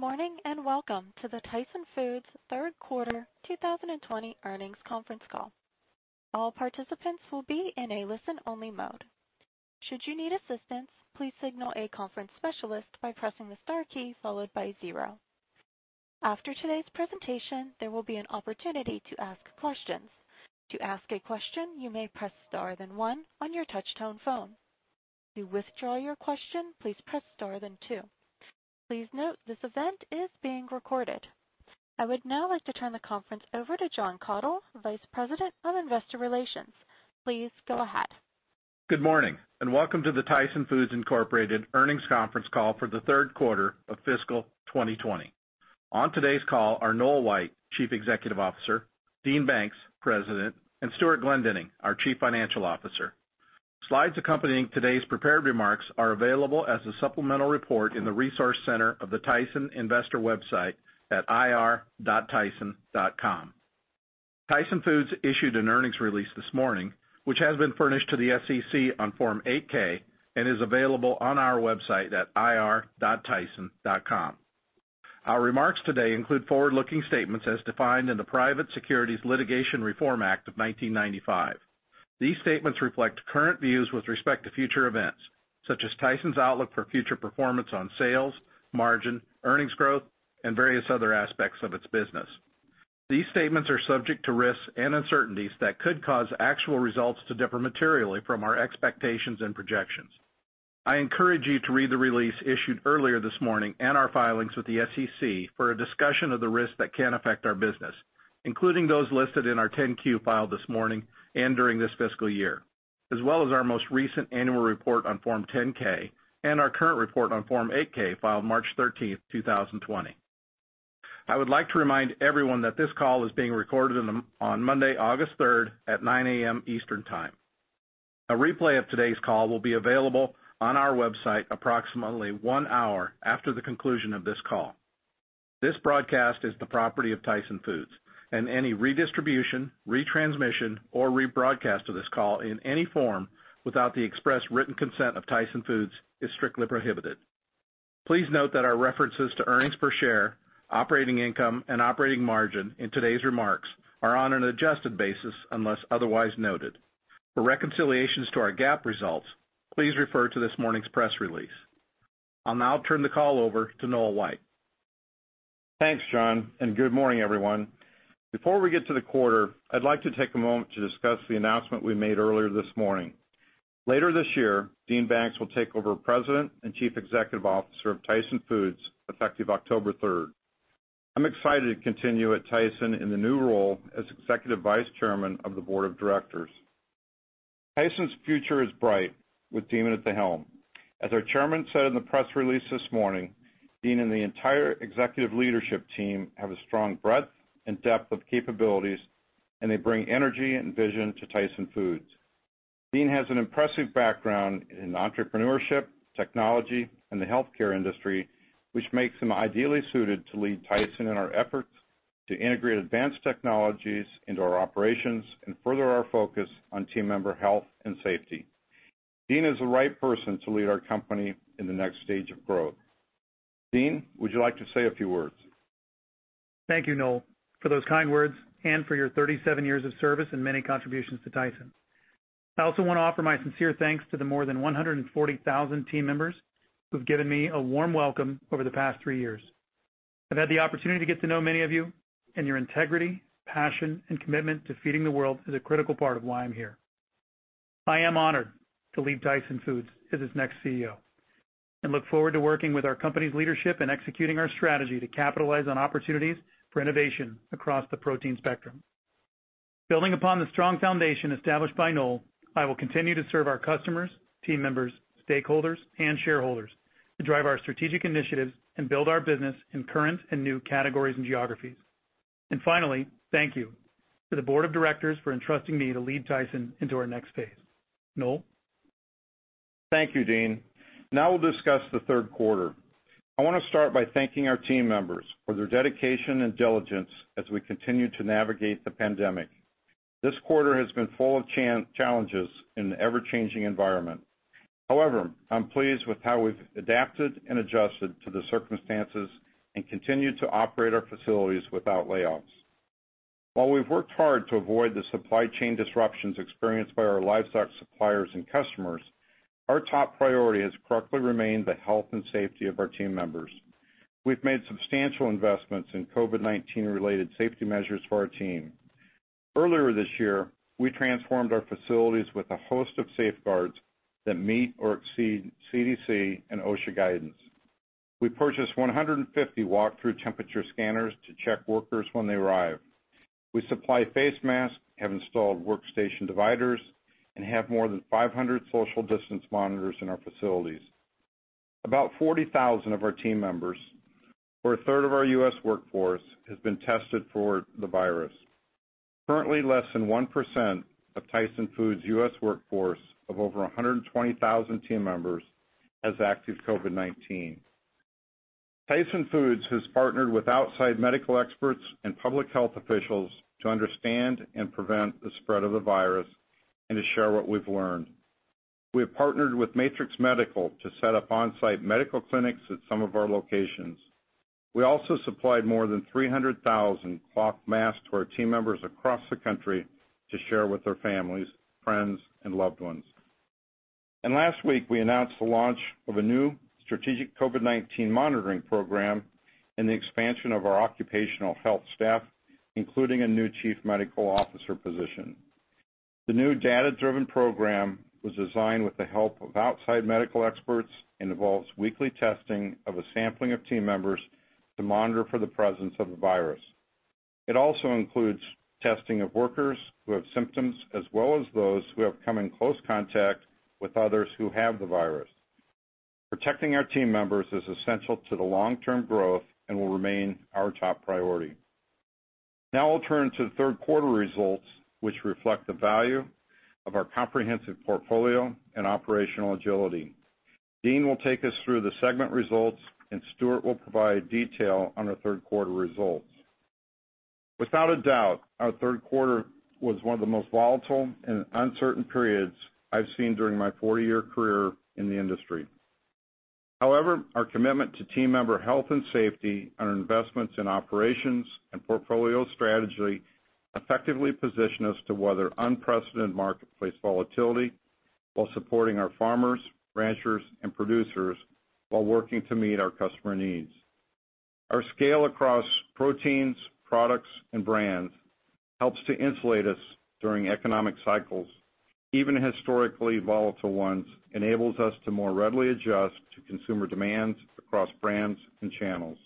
Morning and welcome to the Tyson Foods third quarter 2020 earnings conference call. All participants will be in a listen-only mode. Should you need assistance, please signal a conference specialist by pressing the star key followed by zero. After today's presentation, there will be an opportunity to ask questions. To ask a question, you may press star then one on your touch-tone phone. To withdraw your question, please press star then two. Please note this event is being recorded. I would now like to turn the conference over to Jon Kathol, Vice President of Investor Relations. Please go ahead. Good morning, and welcome to the Tyson Foods, Inc. earnings conference call for the third quarter of fiscal 2020. On today's call are Noel White, Chief Executive Officer, Dean Banks, President, and Stewart Glendinning, our Chief Financial Officer. Slides accompanying today's prepared remarks are available as a supplemental report in the resource center of the Tyson investor website at ir.tyson.com. Tyson Foods issued an earnings release this morning, which has been furnished to the SEC on Form 8-K and is available on our website at ir.tyson.com. Our remarks today include forward-looking statements as defined in the Private Securities Litigation Reform Act of 1995. These statements reflect current views with respect to future events, such as Tyson's outlook for future performance on sales, margin, earnings growth, and various other aspects of its business. These statements are subject to risks and uncertainties that could cause actual results to differ materially from our expectations and projections. I encourage you to read the release issued earlier this morning and our filings with the SEC for a discussion of the risks that can affect our business, including those listed in our 10-Q filed this morning and during this fiscal year, as well as our most recent annual report on Form 10-K and our current report on Form 8-K, filed March 13, 2020. I would like to remind everyone that this call is being recorded on Monday, August 3rd, at 9:00 A.M. Eastern Time. A replay of today's call will be available on our website approximately one hour after the conclusion of this call. This broadcast is the property of Tyson Foods, and any redistribution, retransmission, or rebroadcast of this call in any form without the express written consent of Tyson Foods is strictly prohibited. Please note that our references to earnings per share, operating income, and operating margin in today's remarks are on an adjusted basis unless otherwise noted. For reconciliations to our GAAP results, please refer to this morning's press release. I'll now turn the call over to Noel White. Thanks, Jon, good morning, everyone. Before we get to the quarter, I'd like to take a moment to discuss the announcement we made earlier this morning. Later this year, Dean Banks will take over President and Chief Executive Officer of Tyson Foods effective October 3rd. I'm excited to continue at Tyson in the new role as Executive Vice Chairman of the Board of Directors. Tyson's future is bright with Dean at the helm. As our chairman said in the press release this morning, Dean and the entire executive leadership team have a strong breadth and depth of capabilities, and they bring energy and vision to Tyson Foods. Dean has an impressive background in entrepreneurship, technology, and the healthcare industry, which makes him ideally suited to lead Tyson in our efforts to integrate advanced technologies into our operations and further our focus on team member health and safety. Dean is the right person to lead our company in the next stage of growth. Dean, would you like to say a few words? Thank you, Noel, for those kind words and for your 37 years of service and many contributions to Tyson. I also want to offer my sincere thanks to the more than 140,000 team members who've given me a warm welcome over the past three years. I've had the opportunity to get to know many of you, and your integrity, passion, and commitment to feeding the world is a critical part of why I'm here. I am honored to lead Tyson Foods as its next CEO and look forward to working with our company's leadership and executing our strategy to capitalize on opportunities for innovation across the protein spectrum. Building upon the strong foundation established by Noel, I will continue to serve our customers, team members, stakeholders, and shareholders to drive our strategic initiatives and build our business in current and new categories and geographies. Finally, thank you to the board of directors for entrusting me to lead Tyson into our next phase. Noel? Thank you, Dean. Now we'll discuss the third quarter. I want to start by thanking our team members for their dedication and diligence as we continue to navigate the pandemic. This quarter has been full of challenges in an ever-changing environment. However, I'm pleased with how we've adapted and adjusted to the circumstances and continued to operate our facilities without layoffs. While we've worked hard to avoid the supply chain disruptions experienced by our livestock suppliers and customers, our top priority has correctly remained the health and safety of our team members. We've made substantial investments in COVID-19 related safety measures for our team. Earlier this year, we transformed our facilities with a host of safeguards that meet or exceed CDC and OSHA guidance. We purchased 150 walk-through temperature scanners to check workers when they arrive. We supply face masks, have installed workstation dividers, and have more than 500 social distance monitors in our facilities. About 40,000 of our team members, or 1/3 of our U.S. workforce, has been tested for the virus. Currently, less than 1% of Tyson Foods' U.S. workforce of over 120,000 team members has active COVID-19. Tyson Foods has partnered with outside medical experts and public health officials to understand and prevent the spread of the virus and to share what we've learned. We have partnered with Matrix Medical to set up on-site medical clinics at some of our locations. We also supplied more than 300,000 cloth masks to our team members across the country to share with their families, friends, and loved ones. Last week, we announced the launch of a new strategic COVID-19 monitoring program and the expansion of our occupational health staff, including a new Chief Medical Officer position. The new data-driven program was designed with the help of outside medical experts and involves weekly testing of a sampling of team members to monitor for the presence of the virus. It also includes testing of workers who have symptoms, as well as those who have come in close contact with others who have the virus. Protecting our team members is essential to the long-term growth and will remain our top priority. Now I'll turn to the third quarter results, which reflect the value of our comprehensive portfolio and operational agility. Dean will take us through the segment results, and Stewart will provide detail on our third quarter results. Without a doubt, our third quarter was one of the most volatile and uncertain periods I've seen during my 40-year career in the industry. Our commitment to team member health and safety, and our investments in operations and portfolio strategy effectively position us to weather unprecedented marketplace volatility while supporting our farmers, ranchers, and producers, while working to meet our customer needs. Our scale across proteins, products, and brands helps to insulate us during economic cycles, even historically volatile ones, enables us to more readily adjust to consumer demands across brands and channels.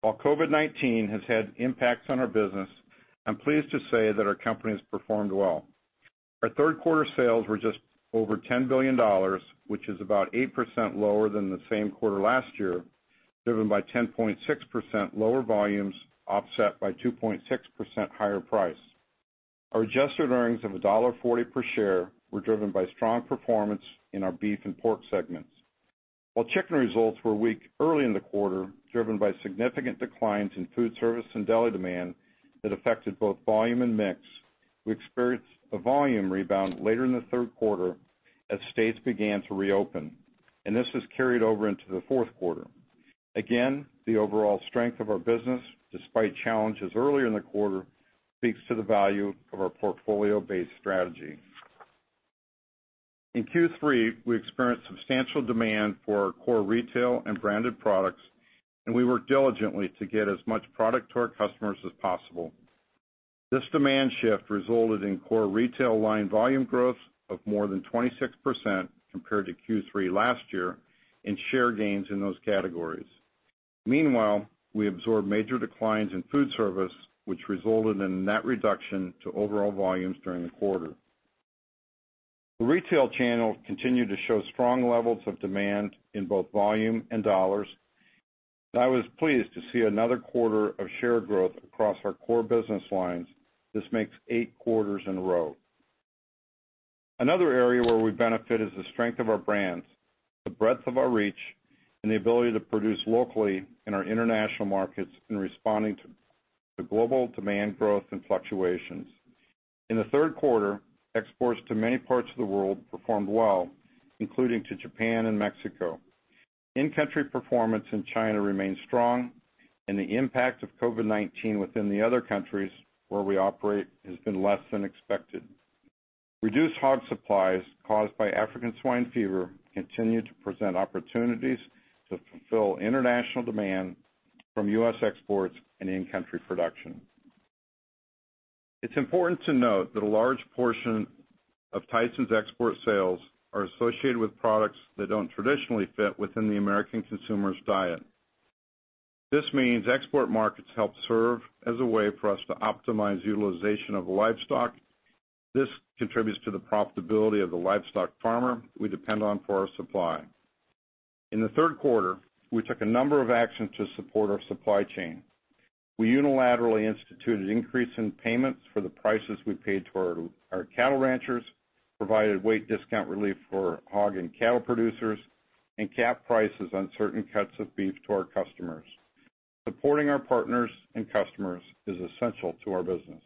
While COVID-19 has had impacts on our business, I'm pleased to say that our company has performed well. Our third quarter sales were just over $10 billion, which is about 8% lower than the same quarter last year, driven by 10.6% lower volumes, offset by 2.6% higher price. Our adjusted earnings of $1.40 per share were driven by strong performance in our beef and pork segments. While chicken results were weak early in the quarter, driven by significant declines in food service and deli demand that affected both volume and mix, we experienced a volume rebound later in the third quarter as states began to reopen, and this was carried over into the fourth quarter. Again, the overall strength of our business, despite challenges earlier in the quarter, speaks to the value of our portfolio-based strategy. In Q3, we experienced substantial demand for our core retail and branded products, and we worked diligently to get as much product to our customers as possible. This demand shift resulted in core retail line volume growth of more than 26% compared to Q3 last year, and share gains in those categories. Meanwhile, we absorbed major declines in food service, which resulted in a net reduction to overall volumes during the quarter. The retail channel continued to show strong levels of demand in both volume and dollars. I was pleased to see another quarter of share growth across our core business lines. This makes eight quarters in a row. Another area where we benefit is the strength of our brands, the breadth of our reach, and the ability to produce locally in our international markets in responding to global demand growth and fluctuations. In the third quarter, exports to many parts of the world performed well, including to Japan and Mexico. In-country performance in China remains strong, and the impact of COVID-19 within the other countries where we operate has been less than expected. Reduced hog supplies caused by African swine fever continue to present opportunities to fulfill international demand from U.S. exports and in-country production. It's important to note that a large portion of Tyson's export sales are associated with products that don't traditionally fit within the American consumer's diet. This means export markets help serve as a way for us to optimize utilization of livestock. This contributes to the profitability of the livestock farmer we depend on for our supply. In the third quarter, we took a number of actions to support our supply chain. We unilaterally instituted an increase in payments for the prices we paid to our cattle ranchers, provided weight discount relief for hog and cattle producers, and capped prices on certain cuts of beef to our customers. Supporting our partners and customers is essential to our business.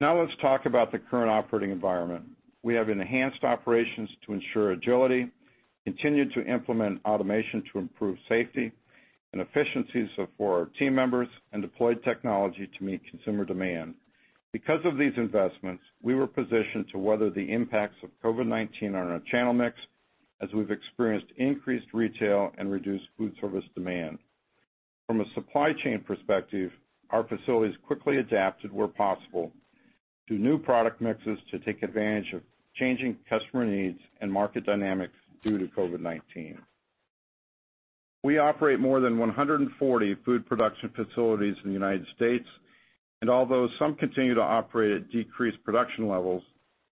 Now let's talk about the current operating environment. We have enhanced operations to ensure agility, continued to implement automation to improve safety and efficiencies for our team members, and deployed technology to meet consumer demand. Because of these investments, we were positioned to weather the impacts of COVID-19 on our channel mix, as we've experienced increased retail and reduced food service demand. From a supply chain perspective, our facilities quickly adapted where possible to new product mixes to take advantage of changing customer needs and market dynamics due to COVID-19. We operate more than 140 food production facilities in the United States, and although some continue to operate at decreased production levels,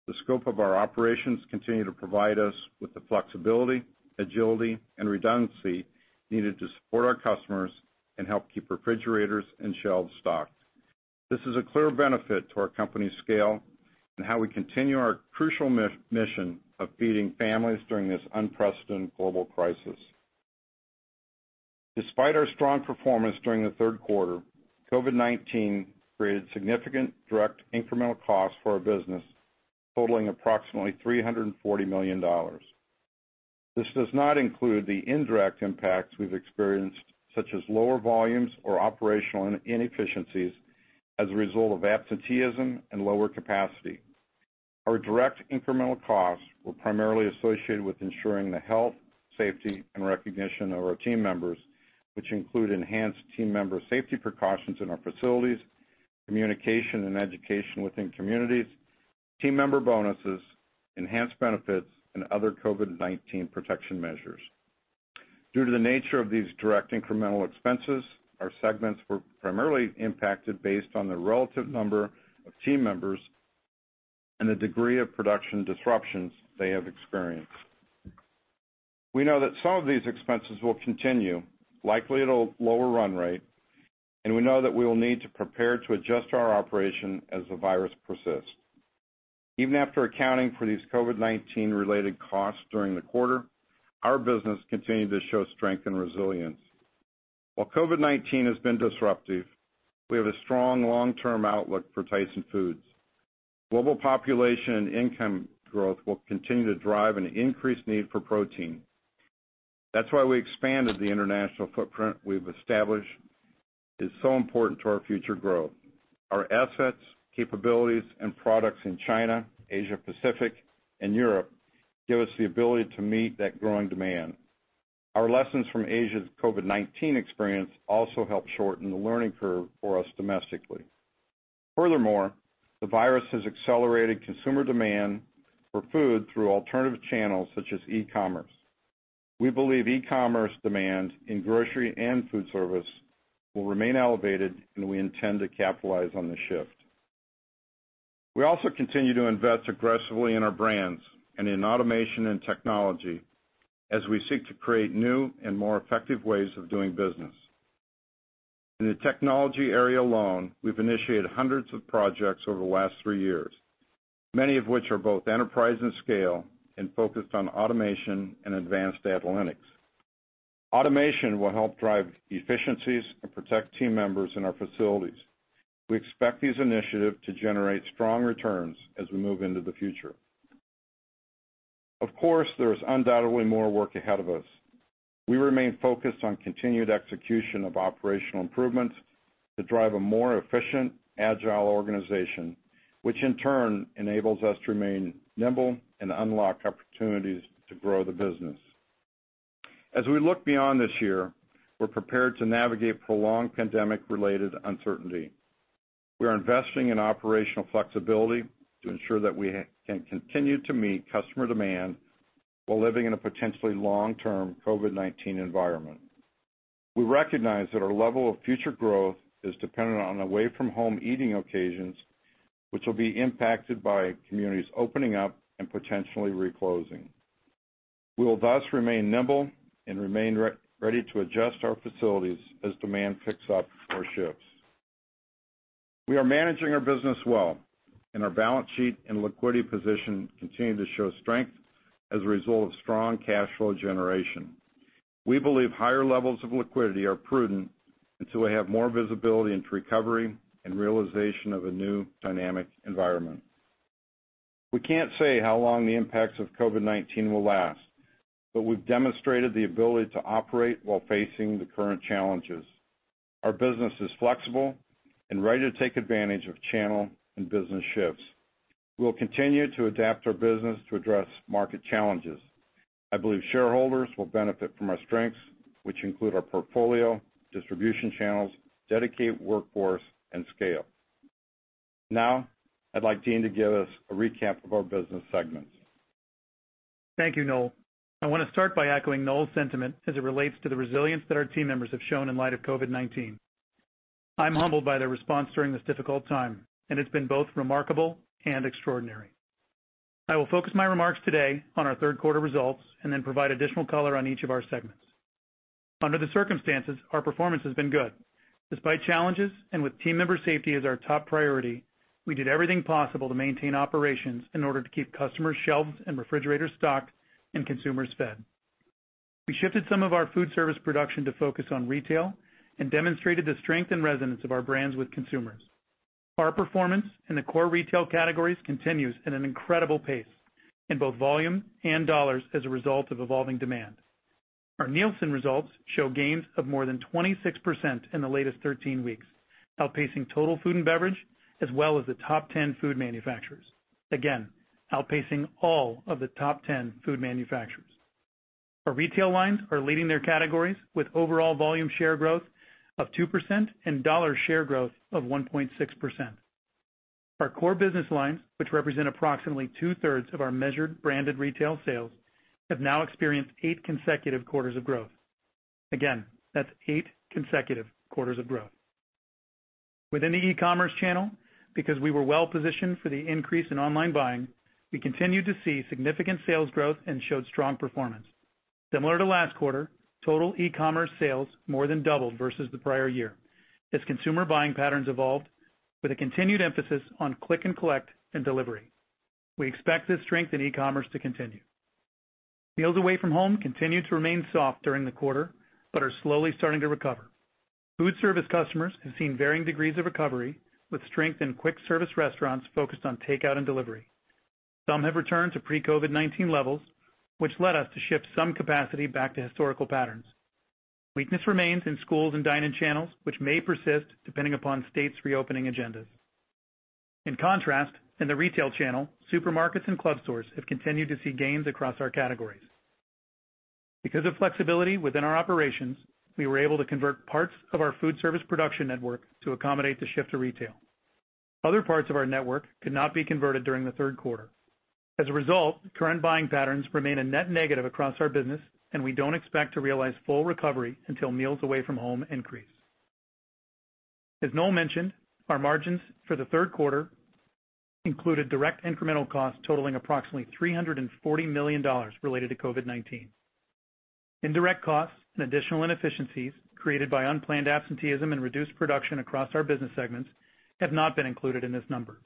the scope of our operations continue to provide us with the flexibility, agility, and redundancy needed to support our customers and help keep refrigerators and shelves stocked. This is a clear benefit to our company's scale and how we continue our crucial mission of feeding families during this unprecedented global crisis. Despite our strong performance during the third quarter, COVID-19 created significant direct incremental costs for our business, totaling approximately $340 million. This does not include the indirect impacts we've experienced, such as lower volumes or operational inefficiencies as a result of absenteeism and lower capacity. Our direct incremental costs were primarily associated with ensuring the health, safety, and recognition of our team members, which include enhanced team member safety precautions in our facilities, communication and education within communities, team member bonuses, enhanced benefits, and other COVID-19 protection measures. Due to the nature of these direct incremental expenses, our segments were primarily impacted based on the relative number of team members and the degree of production disruptions they have experienced. We know that some of these expenses will continue, likely at a lower run rate, and we know that we will need to prepare to adjust our operation as the virus persists. Even after accounting for these COVID-19 related costs during the quarter, our business continued to show strength and resilience. While COVID-19 has been disruptive, we have a strong long-term outlook for Tyson Foods. Global population and income growth will continue to drive an increased need for protein. That's why we expanded the international footprint we've established. It's so important to our future growth. Our assets, capabilities, and products in China, Asia Pacific, and Europe give us the ability to meet that growing demand. Our lessons from Asia's COVID-19 experience also helped shorten the learning curve for us domestically. Furthermore, the virus has accelerated consumer demand for food through alternative channels such as e-commerce. We believe e-commerce demand in grocery and food service will remain elevated, and we intend to capitalize on the shift. We also continue to invest aggressively in our brands and in automation and technology as we seek to create new and more effective ways of doing business. In the technology area alone, we've initiated hundreds of projects over the last three years, many of which are both enterprise and scale and focused on automation and advanced analytics. Automation will help drive efficiencies and protect team members in our facilities. We expect these initiatives to generate strong returns as we move into the future. Of course, there is undoubtedly more work ahead of us. We remain focused on continued execution of operational improvements to drive a more efficient, agile organization, which in turn enables us to remain nimble and unlock opportunities to grow the business. As we look beyond this year, we're prepared to navigate prolonged pandemic-related uncertainty. We are investing in operational flexibility to ensure that we can continue to meet customer demand while living in a potentially long-term COVID-19 environment. We recognize that our level of future growth is dependent on away-from-home eating occasions, which will be impacted by communities opening up and potentially reclosing. We will thus remain nimble and remain ready to adjust our facilities as demand picks up or shifts. We are managing our business well, and our balance sheet and liquidity position continue to show strength as a result of strong cash flow generation. We believe higher levels of liquidity are prudent until we have more visibility into recovery and realization of a new dynamic environment. We can't say how long the impacts of COVID-19 will last, but we've demonstrated the ability to operate while facing the current challenges. Our business is flexible and ready to take advantage of channel and business shifts. We will continue to adapt our business to address market challenges. I believe shareholders will benefit from our strengths, which include our portfolio, distribution channels, dedicated workforce, and scale. Now, I'd like Dean to give us a recap of our business segments. Thank you, Noel. I want to start by echoing Noel's sentiment as it relates to the resilience that our team members have shown in light of COVID-19. I'm humbled by their response during this difficult time, and it's been both remarkable and extraordinary. I will focus my remarks today on our third quarter results and then provide additional color on each of our segments. Under the circumstances, our performance has been good. Despite challenges and with team member safety as our top priority, we did everything possible to maintain operations in order to keep customers' shelves and refrigerators stocked and consumers fed. We shifted some of our food service production to focus on retail and demonstrated the strength and resonance of our brands with consumers. Our performance in the core retail categories continues at an incredible pace in both volume and dollars as a result of evolving demand. Our Nielsen results show gains of more than 26% in the latest 13 weeks, outpacing total food and beverage, as well as the top 10 food manufacturers. Outpacing all of the top 10 food manufacturers. Our retail lines are leading their categories with overall volume share growth of 2% and dollar share growth of 1.6%. Our core business lines, which represent approximately 2/3 of our measured branded retail sales, have now experienced eight consecutive quarters of growth. That's eight consecutive quarters of growth. Within the e-commerce channel, because we were well positioned for the increase in online buying, we continued to see significant sales growth and showed strong performance. Similar to last quarter, total e-commerce sales more than doubled versus the prior year as consumer buying patterns evolved with a continued emphasis on click and collect and delivery. We expect this strength in e-commerce to continue. Meals away from home continued to remain soft during the quarter, but are slowly starting to recover. Food service customers have seen varying degrees of recovery, with strength in quick service restaurants focused on takeout and delivery. Some have returned to pre-COVID-19 levels, which led us to ship some capacity back to historical patterns. Weakness remains in schools and dine-in channels, which may persist depending upon states' reopening agendas. In contrast, in the retail channel, supermarkets and club stores have continued to see gains across our categories. Because of flexibility within our operations, we were able to convert parts of our food service production network to accommodate the shift to retail. Other parts of our network could not be converted during the third quarter. As a result, current buying patterns remain a net negative across our business, and we don't expect to realize full recovery until meals away from home increase. As Noel mentioned, our margins for the third quarter included direct incremental costs totaling approximately $340 million related to COVID-19. Indirect costs and additional inefficiencies created by unplanned absenteeism and reduced production across our business segments have not been included in this number.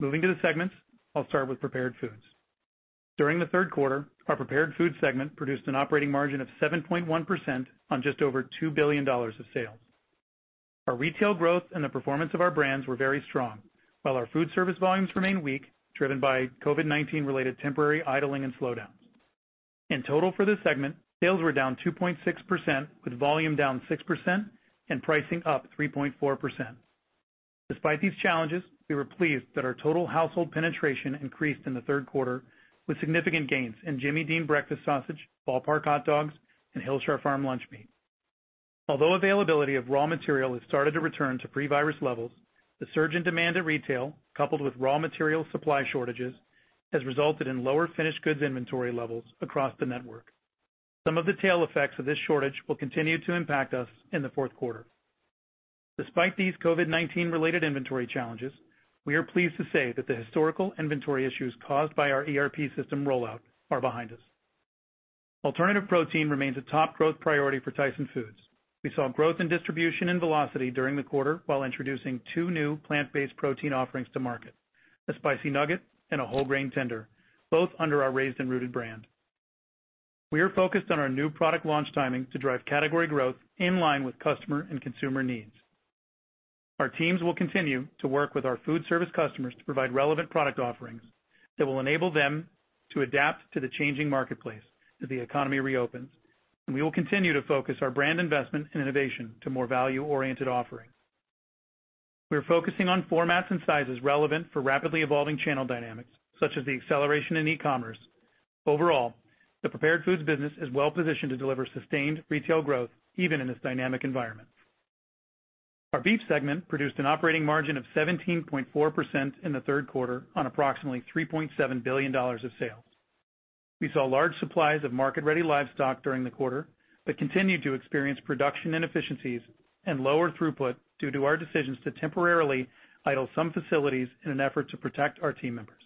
Moving to the segments, I'll start with Prepared Foods. During the third quarter, our Prepared Foods segment produced an operating margin of 7.1% on just over $2 billion of sales. Our retail growth and the performance of our brands were very strong, while our food service volumes remained weak, driven by COVID-19 related temporary idling and slowdowns. In total for this segment, sales were down 2.6%, with volume down 6% and pricing up 3.4%. Despite these challenges, we were pleased that our total household penetration increased in the third quarter, with significant gains in Jimmy Dean breakfast sausage, Ball Park hot dogs, and Hillshire Farm lunch meat. Although availability of raw material has started to return to pre-virus levels, the surge in demand at retail, coupled with raw material supply shortages, has resulted in lower finished goods inventory levels across the network. Some of the tail effects of this shortage will continue to impact us in the fourth quarter. Despite these COVID-19 related inventory challenges, we are pleased to say that the historical inventory issues caused by our ERP system rollout are behind us. Alternative protein remains a top growth priority for Tyson Foods. We saw growth in distribution and velocity during the quarter while introducing two new plant-based protein offerings to market, the Spicy Nugget and a Whole-Grain Tender, both under our Raised & Rooted brand. We are focused on our new product launch timing to drive category growth in line with customer and consumer needs. Our teams will continue to work with our food service customers to provide relevant product offerings that will enable them to adapt to the changing marketplace as the economy reopens. We will continue to focus our brand investment and innovation to more value-oriented offerings. We are focusing on formats and sizes relevant for rapidly evolving channel dynamics, such as the acceleration in e-commerce. Overall, the prepared foods business is well positioned to deliver sustained retail growth even in this dynamic environment. Our beef segment produced an operating margin of 17.4% in the third quarter on approximately $3.7 billion of sales. We saw large supplies of market-ready livestock during the quarter, but continued to experience production inefficiencies and lower throughput due to our decisions to temporarily idle some facilities in an effort to protect our team members.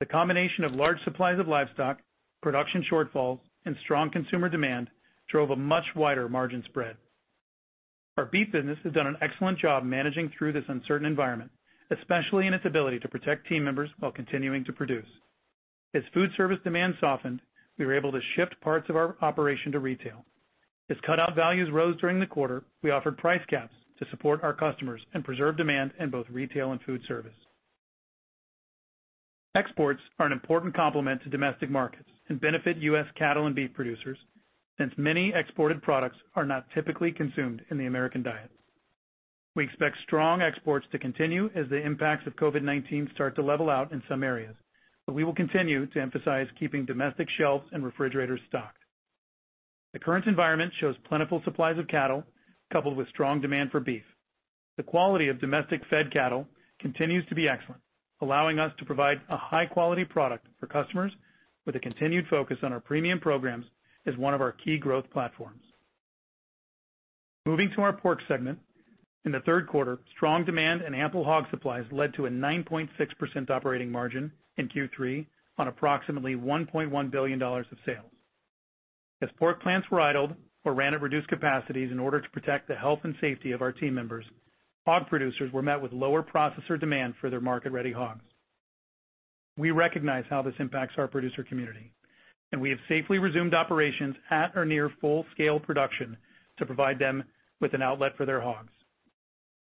The combination of large supplies of livestock, production shortfalls, and strong consumer demand drove a much wider margin spread. Our beef business has done an excellent job managing through this uncertain environment, especially in its ability to protect team members while continuing to produce. As food service demand softened, we were able to shift parts of our operation to retail. As cutout values rose during the quarter, we offered price caps to support our customers and preserve demand in both retail and food service. Exports are an important complement to domestic markets and benefit U.S. cattle and beef producers, since many exported products are not typically consumed in the American diet. We expect strong exports to continue as the impacts of COVID-19 start to level out in some areas, but we will continue to emphasize keeping domestic shelves and refrigerators stocked. The current environment shows plentiful supplies of cattle, coupled with strong demand for beef. The quality of domestic fed cattle continues to be excellent, allowing us to provide a high-quality product for customers with a continued focus on our premium programs as one of our key growth platforms. Moving to our Pork segment. In the third quarter, strong demand and ample hog supplies led to a 9.6% operating margin in Q3 on approximately $1.1 billion of sales. As pork plants were idled or ran at reduced capacities in order to protect the health and safety of our team members, hog producers were met with lower processor demand for their market-ready hogs. We recognize how this impacts our producer community. We have safely resumed operations at or near full-scale production to provide them with an outlet for their hogs.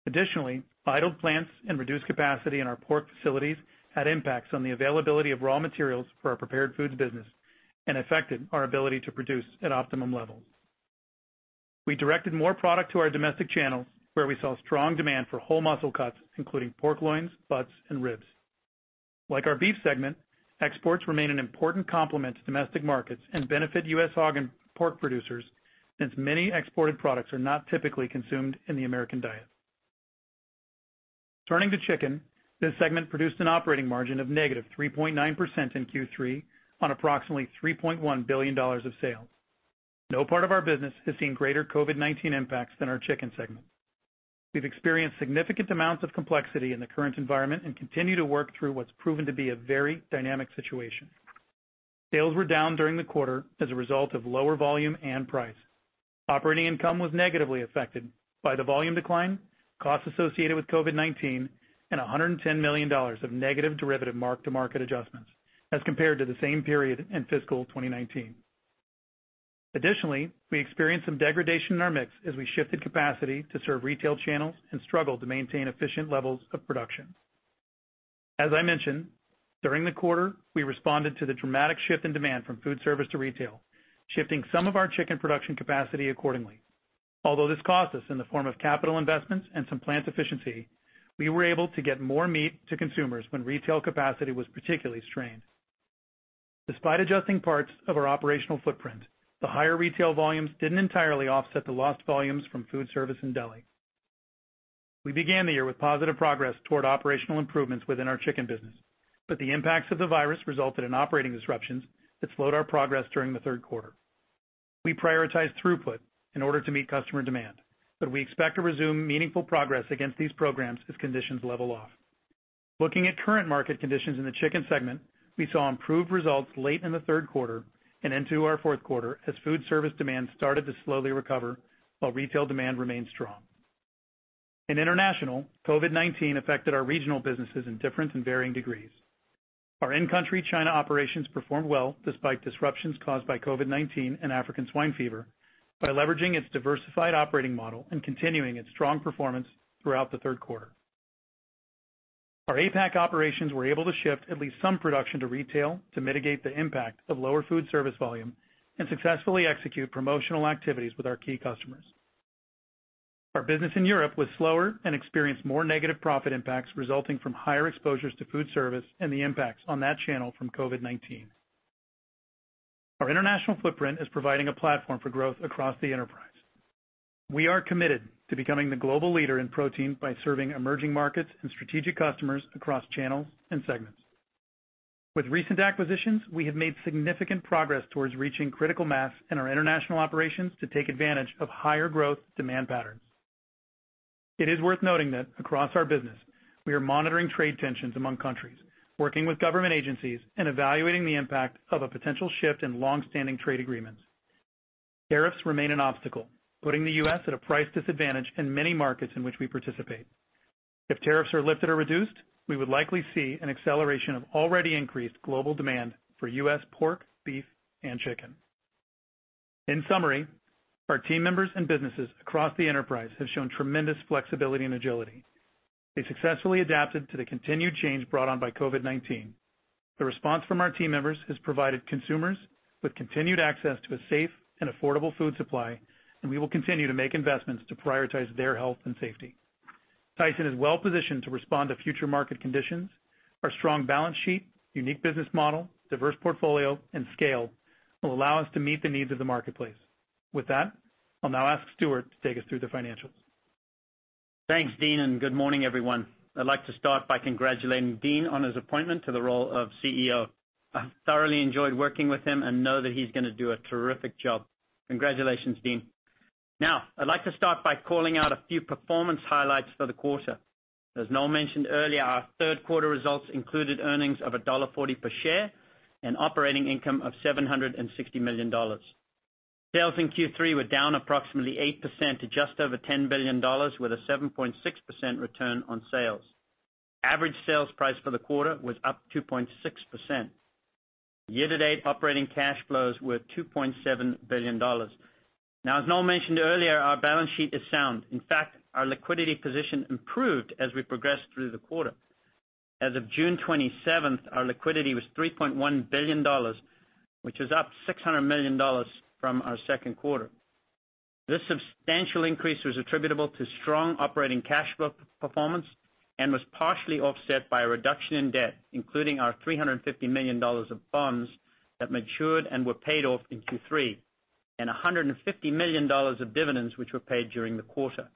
Additionally, idled plants and reduced capacity in our pork facilities had impacts on the availability of raw materials for our prepared foods business and affected our ability to produce at optimum levels. We directed more product to our domestic channels, where we saw strong demand for whole muscle cuts, including pork loins, butts, and ribs. Like our beef segment, exports remain an important complement to domestic markets and benefit US hog and pork producers, since many exported products are not typically consumed in the American diet. Turning to chicken, this segment produced an operating margin of -3.9% in Q3 on approximately $3.1 billion of sales. No part of our business has seen greater COVID-19 impacts than our chicken segment. We've experienced significant amounts of complexity in the current environment and continue to work through what's proven to be a very dynamic situation. Sales were down during the quarter as a result of lower volume and price. Operating income was negatively affected by the volume decline, costs associated with COVID-19, and $110 million of negative derivative mark-to-market adjustments as compared to the same period in fiscal 2019. Additionally, we experienced some degradation in our mix as we shifted capacity to serve retail channels and struggled to maintain efficient levels of production. As I mentioned, during the quarter, we responded to the dramatic shift in demand from food service to retail, shifting some of our chicken production capacity accordingly. Although this cost us in the form of capital investments and some plant efficiency, we were able to get more meat to consumers when retail capacity was particularly strained. Despite adjusting parts of our operational footprint, the higher retail volumes didn't entirely offset the lost volumes from food service and deli. We began the year with positive progress toward operational improvements within our chicken business, but the impacts of the virus resulted in operating disruptions that slowed our progress during the third quarter. We prioritized throughput in order to meet customer demand, but we expect to resume meaningful progress against these programs as conditions level off. Looking at current market conditions in the chicken segment, we saw improved results late in the third quarter and into our fourth quarter as food service demand started to slowly recover, while retail demand remained strong. In international, COVID-19 affected our regional businesses in different and varying degrees. Our in-country China operations performed well despite disruptions caused by COVID-19 and African swine fever by leveraging its diversified operating model and continuing its strong performance throughout the third quarter. Our APAC operations were able to shift at least some production to retail to mitigate the impact of lower food service volume and successfully execute promotional activities with our key customers. Our business in Europe was slower and experienced more negative profit impacts resulting from higher exposures to food service and the impacts on that channel from COVID-19. Our international footprint is providing a platform for growth across the enterprise. We are committed to becoming the global leader in protein by serving emerging markets and strategic customers across channels and segments. With recent acquisitions, we have made significant progress towards reaching critical mass in our international operations to take advantage of higher growth demand patterns. It is worth noting that across our business, we are monitoring trade tensions among countries, working with government agencies, and evaluating the impact of a potential shift in long-standing trade agreements. Tariffs remain an obstacle, putting the U.S. at a price disadvantage in many markets in which we participate. If tariffs are lifted or reduced, we would likely see an acceleration of already increased global demand for U.S. pork, beef, and chicken. In summary, our team members and businesses across the enterprise have shown tremendous flexibility and agility. They successfully adapted to the continued change brought on by COVID-19. The response from our team members has provided consumers with continued access to a safe and affordable food supply, and we will continue to make investments to prioritize their health and safety. Tyson is well-positioned to respond to future market conditions. Our strong balance sheet, unique business model, diverse portfolio, and scale will allow us to meet the needs of the marketplace. With that, I'll now ask Stewart to take us through the financials. Thanks, Dean. Good morning, everyone. I'd like to start by congratulating Dean on his appointment to the role of CEO. I've thoroughly enjoyed working with him and know that he's going to do a terrific job. Congratulations, Dean. I'd like to start by calling out a few performance highlights for the quarter. As Noel mentioned earlier, our third quarter results included earnings of $1.40 per share and operating income of $760 million. Sales in Q3 were down approximately 8% to just over $10 billion, with a 7.6% return on sales. Average sales price for the quarter was up 2.6%. Year-to-date operating cash flows were $2.7 billion. As Noel mentioned earlier, our balance sheet is sound. In fact, our liquidity position improved as we progressed through the quarter. As of June 27th, our liquidity was $3.1 billion, which is up $600 million from our second quarter. This substantial increase was attributable to strong operating cash flow performance and was partially offset by a reduction in debt, including our $350 million of bonds that matured and were paid off in Q3, and $150 million of dividends, which were paid during the quarter.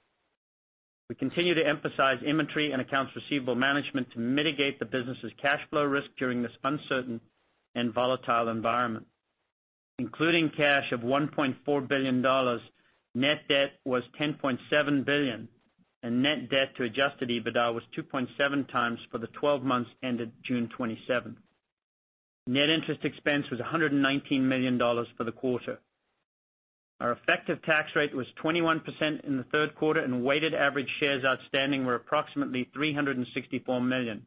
We continue to emphasize inventory and accounts receivable management to mitigate the business's cash flow risk during this uncertain and volatile environment. Including cash of $1.4 billion, net debt was $10.7 billion, and net debt to adjusted EBITDA was 2.7 times for the 12 months ended June 27th. Net interest expense was $119 million for the quarter. Our effective tax rate was 21% in the third quarter, and weighted average shares outstanding were approximately 364 million.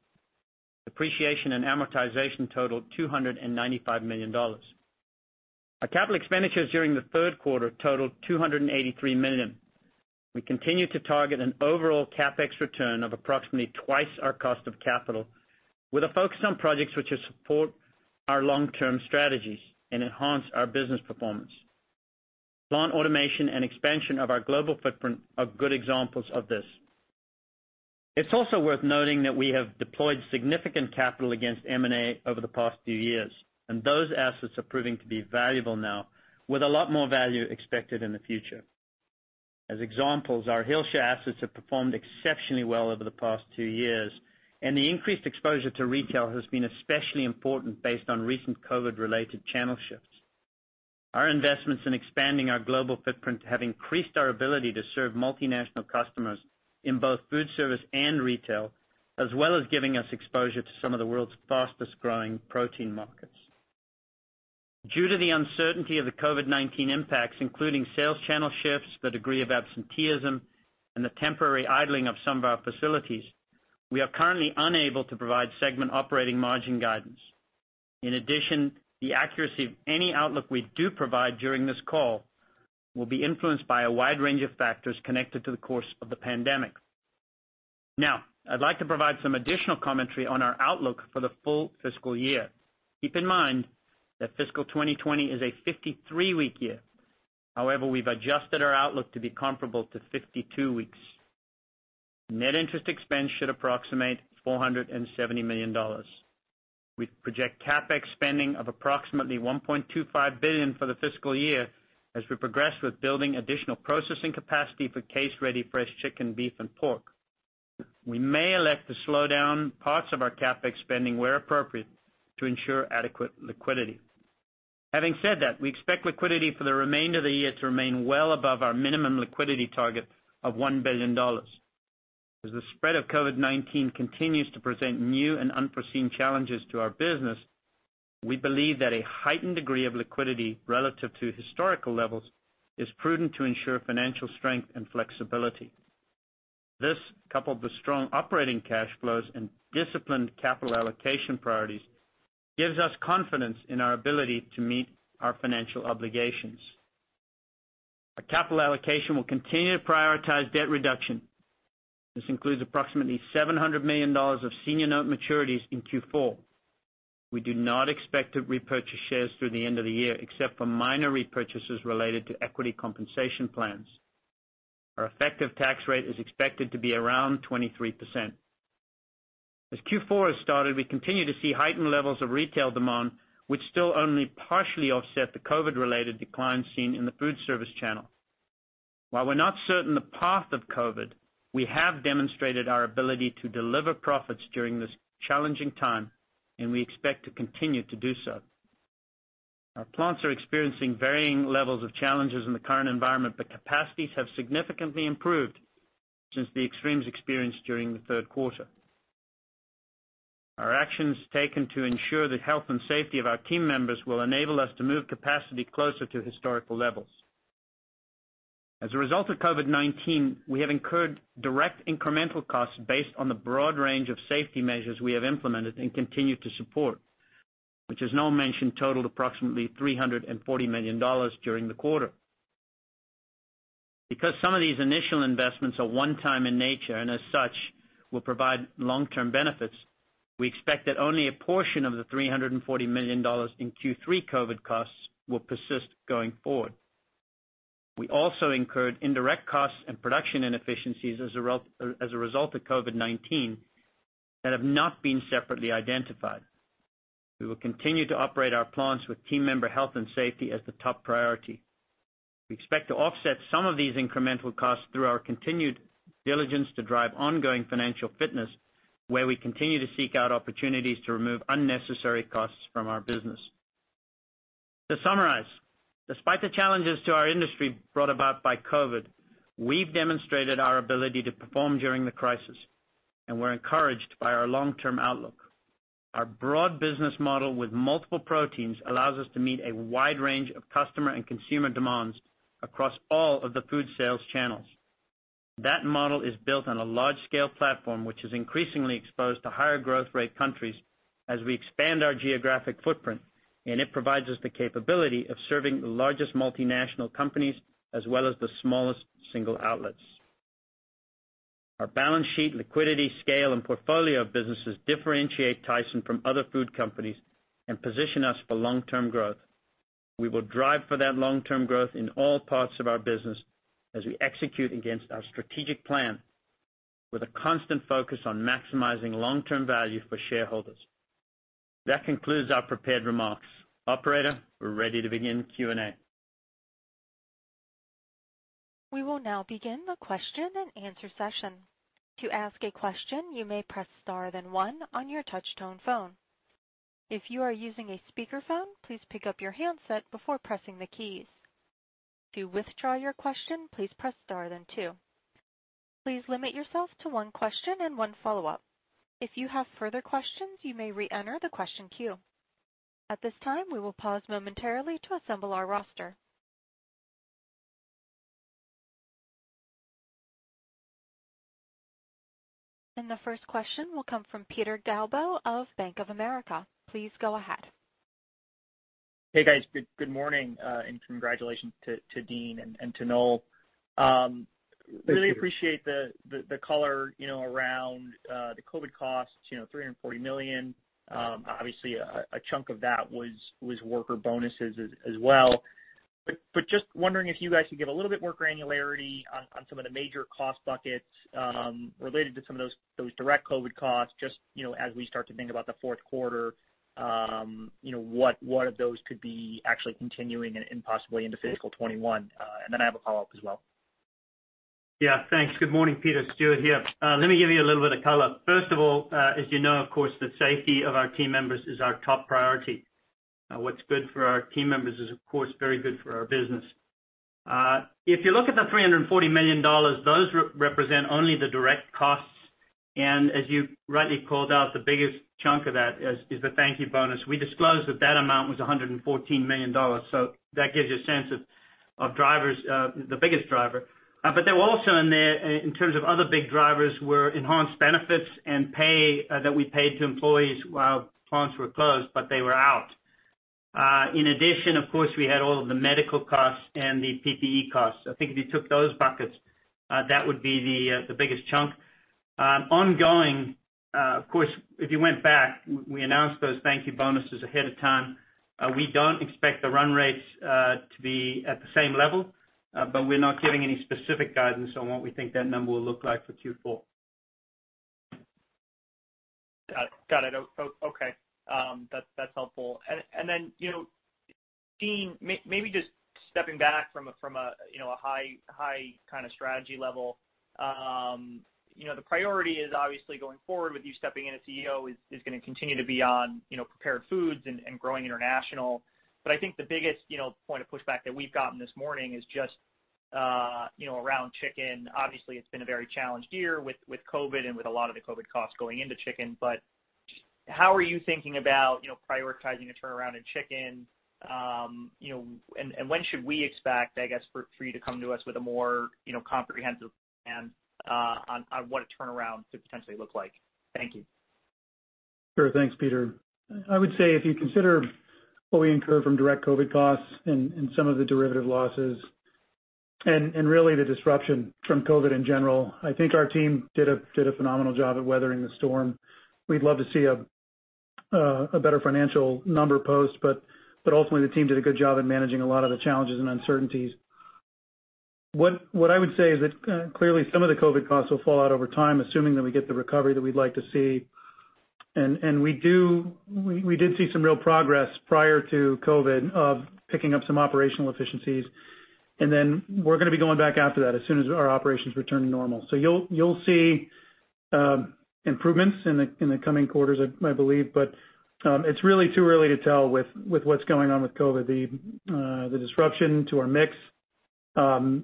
Depreciation and amortization totaled $295 million. Our capital expenditures during the third quarter totaled $283 million. We continue to target an overall CapEx return of approximately twice our cost of capital with a focus on projects which will support our long-term strategies and enhance our business performance. Plant automation and expansion of our global footprint are good examples of this. It's also worth noting that we have deployed significant capital against M&A over the past few years. Those assets are proving to be valuable now, with a lot more value expected in the future. As examples, our Hillshire assets have performed exceptionally well over the past two years. The increased exposure to retail has been especially important based on recent COVID-related channel shifts. Our investments in expanding our global footprint have increased our ability to serve multinational customers in both food service and retail, as well as giving us exposure to some of the world's fastest-growing protein markets. Due to the uncertainty of the COVID-19 impacts, including sales channel shifts, the degree of absenteeism, and the temporary idling of some of our facilities, we are currently unable to provide segment operating margin guidance. In addition, the accuracy of any outlook we do provide during this call will be influenced by a wide range of factors connected to the course of the pandemic. Now, I'd like to provide some additional commentary on our outlook for the full fiscal year. Keep in mind that fiscal 2020 is a 53-week year. However, we've adjusted our outlook to be comparable to 52 weeks. Net interest expense should approximate $470 million. We project CapEx spending of approximately $1.25 billion for the fiscal year as we progress with building additional processing capacity for case-ready fresh chicken, beef, and pork. We may elect to slow down parts of our CapEx spending where appropriate to ensure adequate liquidity. Having said that, we expect liquidity for the remainder of the year to remain well above our minimum liquidity target of $1 billion. As the spread of COVID-19 continues to present new and unforeseen challenges to our business, we believe that a heightened degree of liquidity relative to historical levels is prudent to ensure financial strength and flexibility. This, coupled with strong operating cash flows and disciplined capital allocation priorities, gives us confidence in our ability to meet our financial obligations. Our capital allocation will continue to prioritize debt reduction. This includes approximately $700 million of senior note maturities in Q4. We do not expect to repurchase shares through the end of the year except for minor repurchases related to equity compensation plans. Our effective tax rate is expected to be around 23%. As Q4 has started, we continue to see heightened levels of retail demand, which still only partially offset the COVID-related decline seen in the food service channel. While we're not certain the path of COVID, we have demonstrated our ability to deliver profits during this challenging time, and we expect to continue to do so. Our plants are experiencing varying levels of challenges in the current environment, but capacities have significantly improved since the extremes experienced during the third quarter. Our actions taken to ensure the health and safety of our team members will enable us to move capacity closer to historical levels. As a result of COVID-19, we have incurred direct incremental costs based on the broad range of safety measures we have implemented and continue to support, which as Noel mentioned, totaled approximately $340 million during the quarter. Because some of these initial investments are one time in nature and as such, will provide long-term benefits, we expect that only a portion of the $340 million in Q3 COVID costs will persist going forward. We also incurred indirect costs and production inefficiencies as a result of COVID-19 that have not been separately identified. We will continue to operate our plants with team member health and safety as the top priority. We expect to offset some of these incremental costs through our continued diligence to drive ongoing financial fitness, where we continue to seek out opportunities to remove unnecessary costs from our business. To summarize, despite the challenges to our industry brought about by COVID, we've demonstrated our ability to perform during the crisis, and we're encouraged by our long-term outlook. Our broad business model with multiple proteins allows us to meet a wide range of customer and consumer demands across all of the food sales channels. That model is built on a large-scale platform, which is increasingly exposed to higher growth rate countries as we expand our geographic footprint, and it provides us the capability of serving the largest multinational companies as well as the smallest single outlets. Our balance sheet liquidity scale and portfolio of businesses differentiate Tyson from other food companies and position us for long-term growth. We will drive for that long-term growth in all parts of our business as we execute against our strategic plan with a constant focus on maximizing long-term value for shareholders. That concludes our prepared remarks. Operator, we're ready to begin Q&A. We will now begin the question and answer session. To ask a question, you may press star then one on your touch tone phone. If you are using a speakerphone, please pick up your handset before pressing the keys. To withdraw your question, please press star then two. Please limit yourself to one question and one follow-up. If you have further questions, you may reenter the question queue. At this time, we will pause momentarily to assemble our roster. The first question will come from Peter Galbo of Bank of America. Please go ahead. Hey, guys. Good morning, and congratulations to Dean and to Noel. Thank you. Really appreciate the color around the COVID costs, $340 million. Obviously, a chunk of that was worker bonuses as well. Just wondering if you guys could give a little bit more granularity on some of the major cost buckets related to some of those direct COVID costs, just as we start to think about the fourth quarter, what of those could be actually continuing and possibly into fiscal 2021? Then I have a follow-up as well. Yeah, thanks. Good morning, Peter. Stewart here. Let me give you a little bit of color. First of all, as you know, of course, the safety of our team members is our top priority. What's good for our team members is, of course, very good for our business. If you look at the $340 million, those represent only the direct costs. As you rightly called out, the biggest chunk of that is the thank you bonus. We disclosed that that amount was $114 million. That gives you a sense of the biggest driver. Also in there, in terms of other big drivers, were enhanced benefits and pay that we paid to employees while plants were closed, but they were out. In addition, of course, we had all of the medical costs and the PPE costs. I think if you took those buckets, that would be the biggest chunk. Ongoing, of course, if you went back, we announced those thank you bonuses ahead of time. We don't expect the run rates to be at the same level, but we're not giving any specific guidance on what we think that number will look like for Q4. Got it. Okay. That's helpful. Dean, maybe just stepping back from a high strategy level. The priority is obviously going forward with you stepping in as CEO is going to continue to be on prepared foods and growing international. I think the biggest point of pushback that we've gotten this morning is just around chicken. Obviously, it's been a very challenged year with COVID and with a lot of the COVID costs going into chicken. How are you thinking about prioritizing a turnaround in chicken? When should we expect, I guess, for you to come to us with a more comprehensive plan on what a turnaround could potentially look like? Thank you. Sure. Thanks, Peter. I would say if you consider what we incurred from direct COVID costs and some of the derivative losses and really the disruption from COVID in general, I think our team did a phenomenal job at weathering the storm. We'd love to see a better financial number post, ultimately the team did a good job in managing a lot of the challenges and uncertainties. What I would say is that clearly some of the COVID costs will fall out over time, assuming that we get the recovery that we'd like to see. We did see some real progress prior to COVID of picking up some operational efficiencies. We're going to be going back after that as soon as our operations return to normal. You'll see improvements in the coming quarters, I believe, but it's really too early to tell with what's going on with COVID. The disruption to our mix, and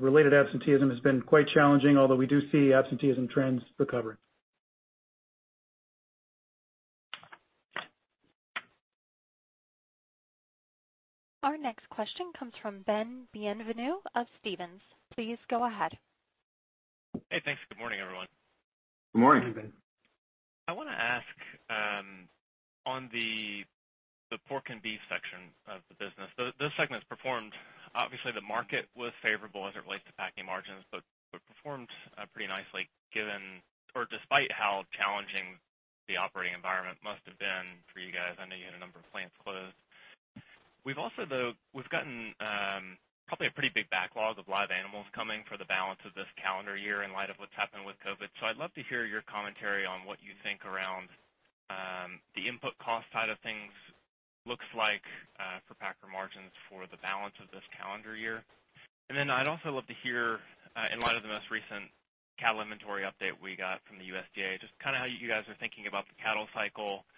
related absenteeism has been quite challenging, although we do see absenteeism trends recovering. Our next question comes from Ben Bienvenu of Stephens. Please go ahead. Hey, thanks. Good morning, everyone. Good morning. Good morning, Ben. I want to ask on the pork and beef section of the business. This segment's performed, obviously the market was favorable as it relates to packing margins, but performed pretty nicely despite how challenging the operating environment must have been for you guys. I know you had a number of plants closed. We've gotten probably a pretty big backlog of live animals coming for the balance of this calendar year in light of what's happened with COVID-19. I'd love to hear your commentary on what you think around the input cost side of things looks like for packer margins for the balance of this calendar year. I'd also love to hear, in light of the most recent cattle inventory update we got from the USDA, just how you guys are thinking about the cattle cycle.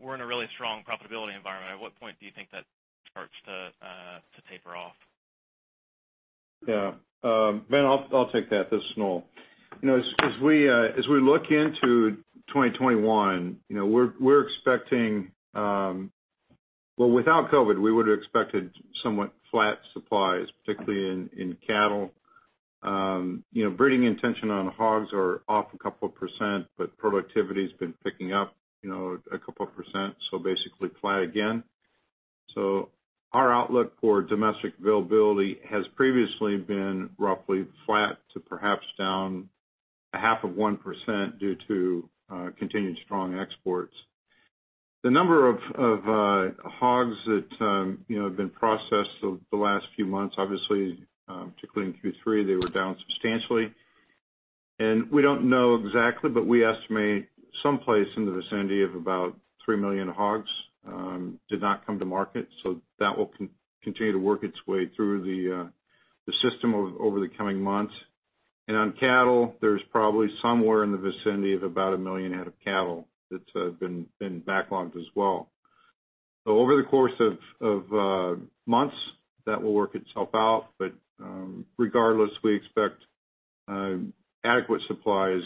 We're in a really strong profitability environment. At what point do you think that starts to taper off? Ben, I'll take that. This is Noel. As we look into 2021, we're expecting, well, without COVID-19, we would've expected somewhat flat supplies, particularly in cattle. Breeding intention on hogs are off a couple of percent, but productivity's been picking up a couple of percent, so basically flat again. Our outlook for domestic availability has previously been roughly flat to perhaps down a half of 1% due to continued strong exports. The number of hogs that have been processed over the last few months, obviously, particularly in Q3, they were down substantially. We don't know exactly, but we estimate some place in the vicinity of about 3 million hogs did not come to market. That will continue to work its way through the system over the coming months. On cattle, there's probably somewhere in the vicinity of about a million head of cattle that's been backlogged as well. Over the course of months, that will work itself out. Regardless, we expect adequate supplies,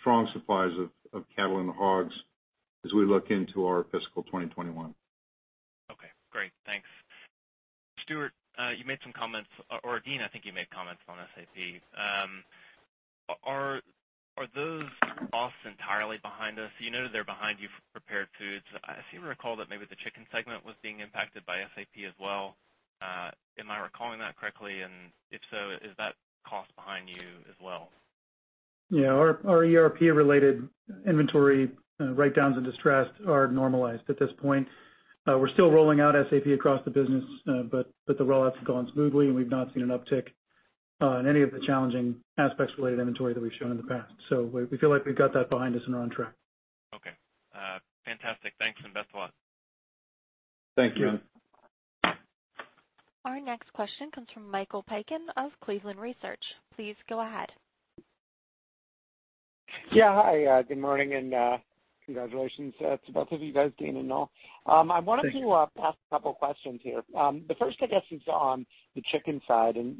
strong supplies of cattle and hogs as we look into our fiscal 2021. Okay, great. Thanks. Stewart, you made some comments, or Dean, I think you made comments on SAP. Are those costs entirely behind us? You noted they're behind you for prepared foods. I seem to recall that maybe the chicken segment was being impacted by SAP as well. Am I recalling that correctly? If so, is that cost behind you as well? Yeah. Our ERP-related inventory writedowns and distress are normalized at this point. We're still rolling out SAP across the business, but the rollouts have gone smoothly, and we've not seen an uptick in any of the challenging aspects related to inventory that we've shown in the past. We feel like we've got that behind us and are on track. Okay. Fantastic. Thanks. Best of luck. Thank you. Our next question comes from Michael Piken of Cleveland Research. Please go ahead. Yeah. Hi, good morning and congratulations to both of you guys, Dean and Noel. Thank you. I wanted to ask a couple questions here. The first, I guess, is on the chicken side, and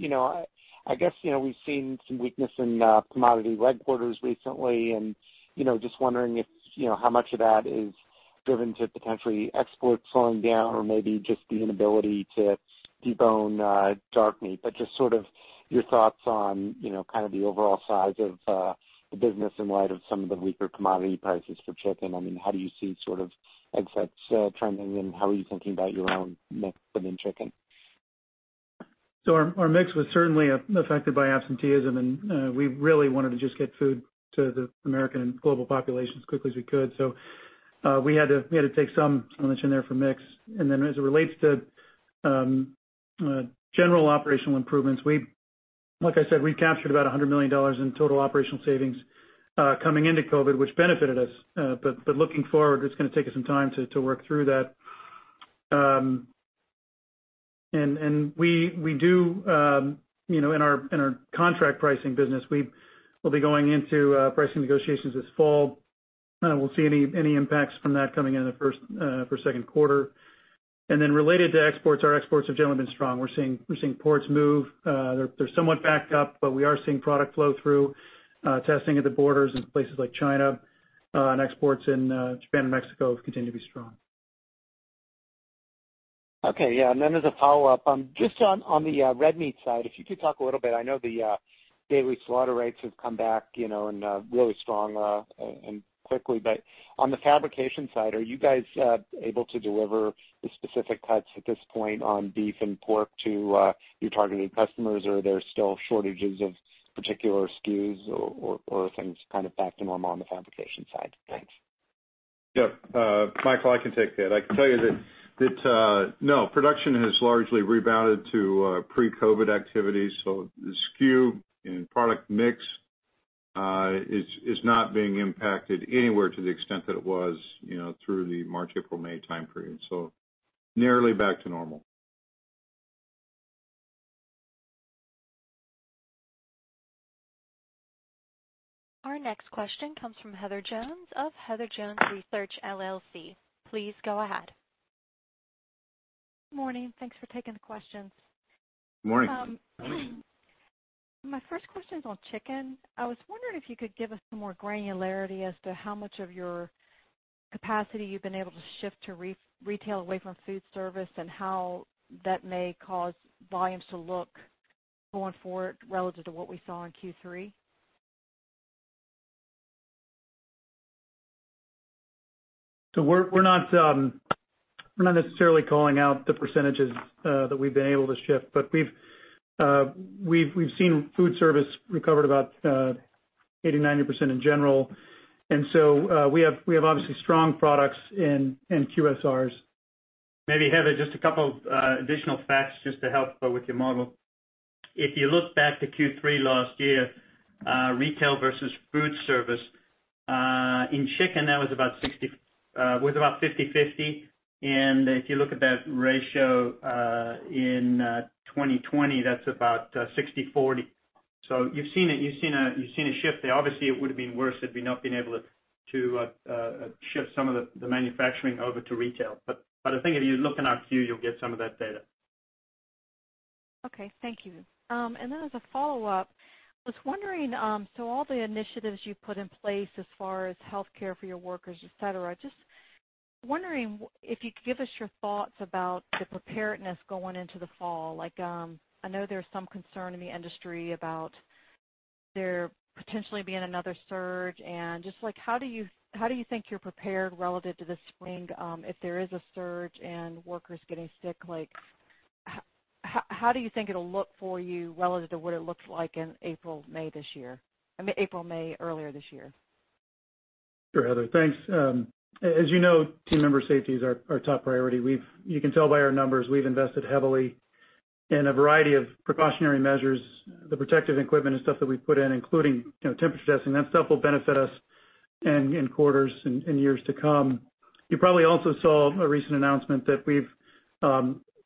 I guess we've seen some weakness in commodity leg quarters recently and just wondering how much of that is driven to potentially exports slowing down or maybe just the inability to de-bone dark meat. Just your thoughts on the overall size of the business in light of some of the weaker commodity prices for chicken. How do you see egg sets trending, and how are you thinking about your own mix within chicken? Our mix was certainly affected by absenteeism, and we really wanted to just get food to the American and global population as quickly as we could. We had to take some punishment there for mix. As it relates to general operational improvements, like I said, we captured about $100 million in total operational savings coming into COVID-19, which benefited us. Looking forward, it's going to take us some time to work through that. In our contract pricing business, we will be going into pricing negotiations this fall. We'll see any impacts from that coming in the first or second quarter. Related to exports, our exports have generally been strong. We're seeing ports move. They're somewhat backed up, but we are seeing product flow through. Testing at the borders in places like China and exports in Japan and Mexico have continued to be strong. Okay. Yeah, as a follow-up, just on the red meat side, if you could talk a little bit. I know the daily slaughter rates have come back really strong and quickly. On the fabrication side, are you guys able to deliver the specific cuts at this point on beef and pork to your targeted customers or are there still shortages of particular SKUs or are things back to normal on the fabrication side? Thanks. Yeah. Michael, I can take that. I can tell you that no, production has largely rebounded to pre-COVID activities, the SKU and product mix is not being impacted anywhere to the extent that it was through the March, April, May time period. Nearly back to normal. Our next question comes from Heather Jones of Heather Jones Research, LLC. Please go ahead. Morning. Thanks for taking the questions. Morning. My first question is on chicken. I was wondering if you could give us some more granularity as to how much of your capacity you've been able to shift to retail away from food service and how that may cause volumes to look going forward relative to what we saw in Q3? We're not necessarily calling out the percentages that we've been able to shift, but we've seen food service recover at about 80%-90% in general. We have obviously strong products in QSRs. Maybe Heather, just a couple of additional facts just to help with your model. If you look back to Q3 last year, retail versus food service, in chicken, that was about 50/50. If you look at that ratio in 2020, that's about 60/40. You've seen a shift there. Obviously, it would've been worse had we not been able to shift some of the manufacturing over to retail. I think if you look in our Q, you'll get some of that data. Okay. Thank you. As a follow-up, I was wondering, so all the initiatives you've put in place as far as healthcare for your workers, et cetera, just wondering if you could give us your thoughts about the preparedness going into the fall? I know there's some concern in the industry about there potentially being another surge. Just how do you think you're prepared relative to the spring if there is a surge and workers getting sick? How do you think it'll look for you relative to what it looked like in April, May earlier this year? Sure, Heather. Thanks. You know, team member safety is our top priority. You can tell by our numbers, we've invested heavily in a variety of precautionary measures. The protective equipment and stuff that we've put in, including temperature testing, that stuff will benefit us in quarters and years to come. You probably also saw a recent announcement that we've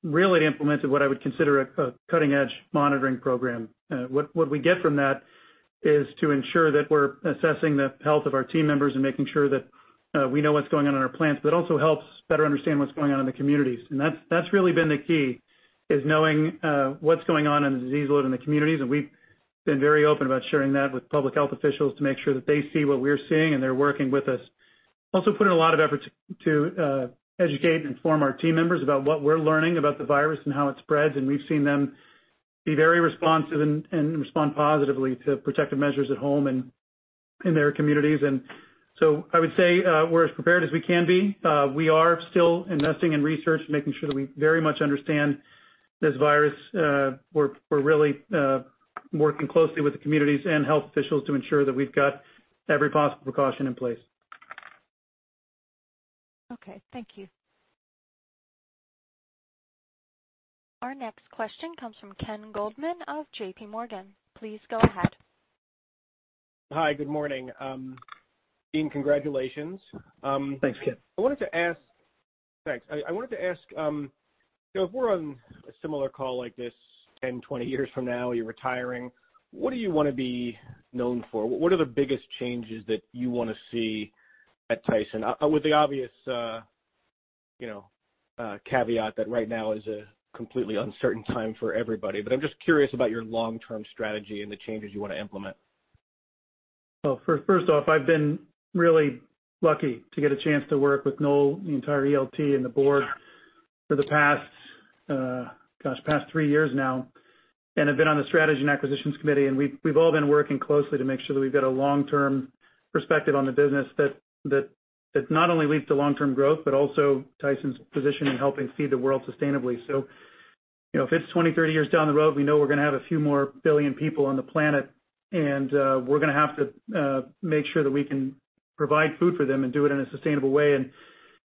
really implemented what I would consider a cutting-edge monitoring program. What we get from that is to ensure that we're assessing the health of our team members and making sure that we know what's going on in our plants, but also helps better understand what's going on in the communities. That's really been the key is knowing what's going on in the disease load in the communities, and we've been very open about sharing that with public health officials to make sure that they see what we're seeing and they're working with us. We also put in a lot of effort to educate and inform our team members about what we're learning about the virus and how it spreads, and we've seen them be very responsive and respond positively to protective measures at home and in their communities. I would say we're as prepared as we can be. We are still investing in research and making sure that we very much understand this virus. We're really working closely with the communities and health officials to ensure that we've got every possible precaution in place. Okay. Thank you. Our next question comes from Ken Goldman of JPMorgan. Please go ahead. Hi, good morning. Dean, congratulations. Thanks, Ken. Thanks. I wanted to ask, if we're on a similar call like this 10, 20 years from now, you're retiring, what do you want to be known for? What are the biggest changes that you want to see at Tyson? With the obvious caveat that right now is a completely uncertain time for everybody. I'm just curious about your long-term strategy and the changes you want to implement. First off, I've been really lucky to get a chance to work with Noel, the entire ELT, and the board for the past three years now, and have been on the strategy and acquisitions committee, and we've all been working closely to make sure that we've got a long-term perspective on the business that not only leads to long-term growth, but also Tyson's position in helping feed the world sustainably. If it's 20, 30 years down the road, we know we're going to have a few more billion people on the planet, and we're going to have to make sure that we can provide food for them and do it in a sustainable way.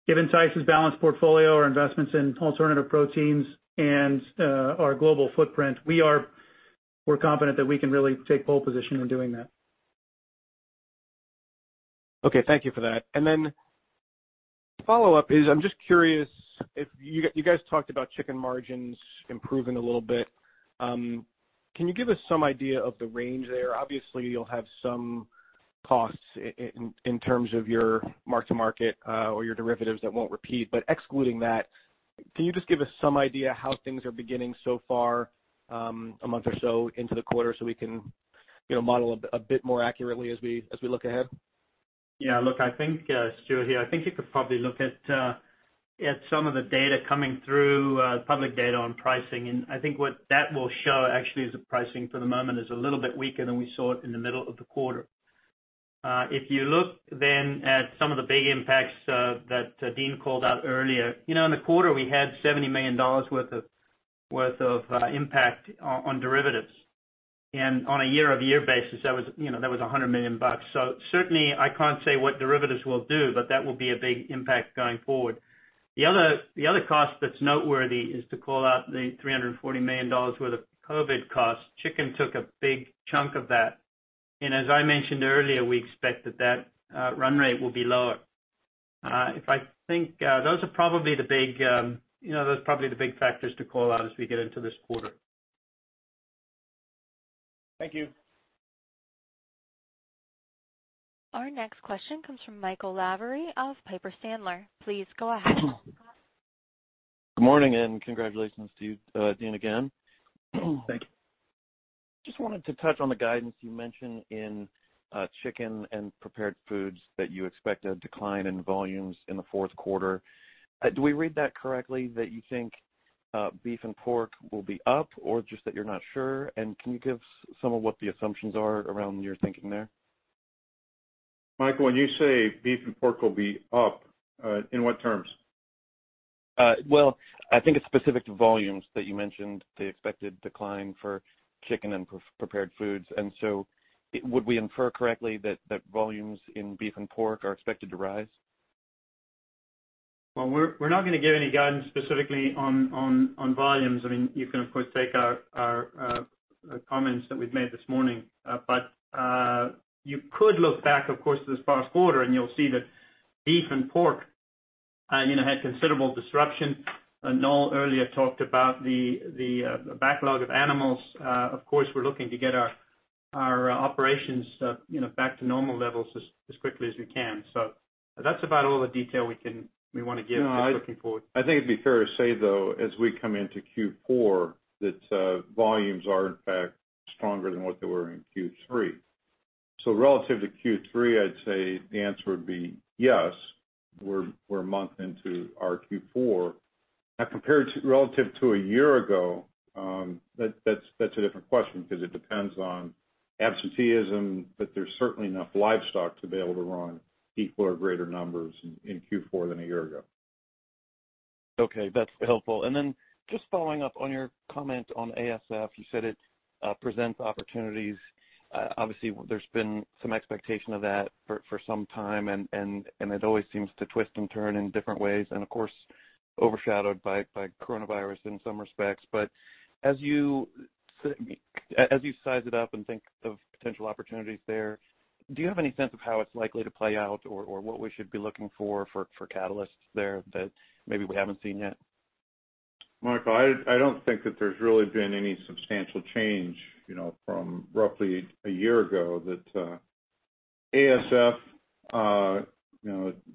Given Tyson's balanced portfolio, our investments in alternative proteins and our global footprint, we're confident that we can really take pole position in doing that. Okay, thank you for that. Follow-up is, I'm just curious, you guys talked about chicken margins improving a little bit. Can you give us some idea of the range there? Obviously, you'll have some costs in terms of your mark-to-market or your derivatives that won't repeat, but excluding that, can you just give us some idea how things are beginning so far a month or so into the quarter so we can model a bit more accurately as we look ahead? Yeah, look, Stewart here. I think you could probably look at some of the data coming through, public data on pricing. I think what that will show actually is the pricing for the moment is a little bit weaker than we saw it in the middle of the quarter. If you look at some of the big impacts that Dean called out earlier. In the quarter, we had $70 million worth of impact on derivatives. On a year-over-year basis, that was $100 million. Certainly, I can't say what derivatives will do, but that will be a big impact going forward. The other cost that's noteworthy is to call out the $340 million worth of COVID costs. Chicken took a big chunk of that. As I mentioned earlier, we expect that run rate will be lower. I think those are probably the big factors to call out as we get into this quarter. Thank you. Our next question comes from Michael Lavery of Piper Sandler. Please go ahead. Good morning, congratulations to you, Dean, again. Thank you. Just wanted to touch on the guidance you mentioned in chicken and prepared foods that you expect a decline in volumes in the fourth quarter. Do we read that correctly, that you think beef and pork will be up or just that you're not sure? Can you give some of what the assumptions are around your thinking there? Michael, when you say beef and pork will be up, in what terms? Well, I think it's specific to volumes that you mentioned the expected decline for chicken and prepared foods. Would we infer correctly that volumes in beef and pork are expected to rise? Well, we're not going to give any guidance specifically on volumes. You can, of course, take our comments that we've made this morning. You could look back, of course, to this past quarter, and you'll see that beef and pork had considerable disruption. Noel earlier talked about the backlog of animals. Of course, we're looking to get our operations back to normal levels as quickly as we can. That's about all the detail we want to give just looking forward. I think it'd be fair to say, though, as we come into Q4, that volumes are, in fact, stronger than what they were in Q3. Relative to Q3, I'd say the answer would be yes. We're a month into our Q4. Compared relative to a year ago, that's a different question because it depends on absenteeism, but there's certainly enough livestock to be able to run equal or greater numbers in Q4 than a year ago. Okay, that's helpful. Then just following up on your comment on ASF, you said it presents opportunities. Obviously, there's been some expectation of that for some time, and it always seems to twist and turn in different ways, and of course, overshadowed by coronavirus in some respects. As you size it up and think of potential opportunities there, do you have any sense of how it's likely to play out or what we should be looking for catalysts there that maybe we haven't seen yet? Michael, I don't think that there's really been any substantial change from roughly a year ago that ASF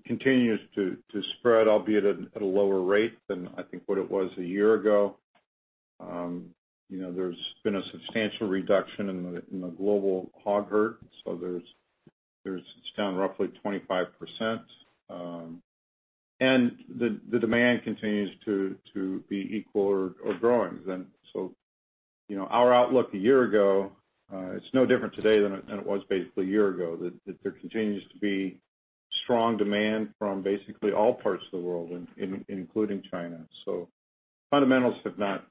continues to spread, albeit at a lower rate than I think what it was a year ago. There's been a substantial reduction in the global hog herd, it's down roughly 25%, and the demand continues to be equal or growing then. Our outlook a year ago, it's no different today than it was basically a year ago, that there continues to be strong demand from basically all parts of the world, including China. Fundamentals have not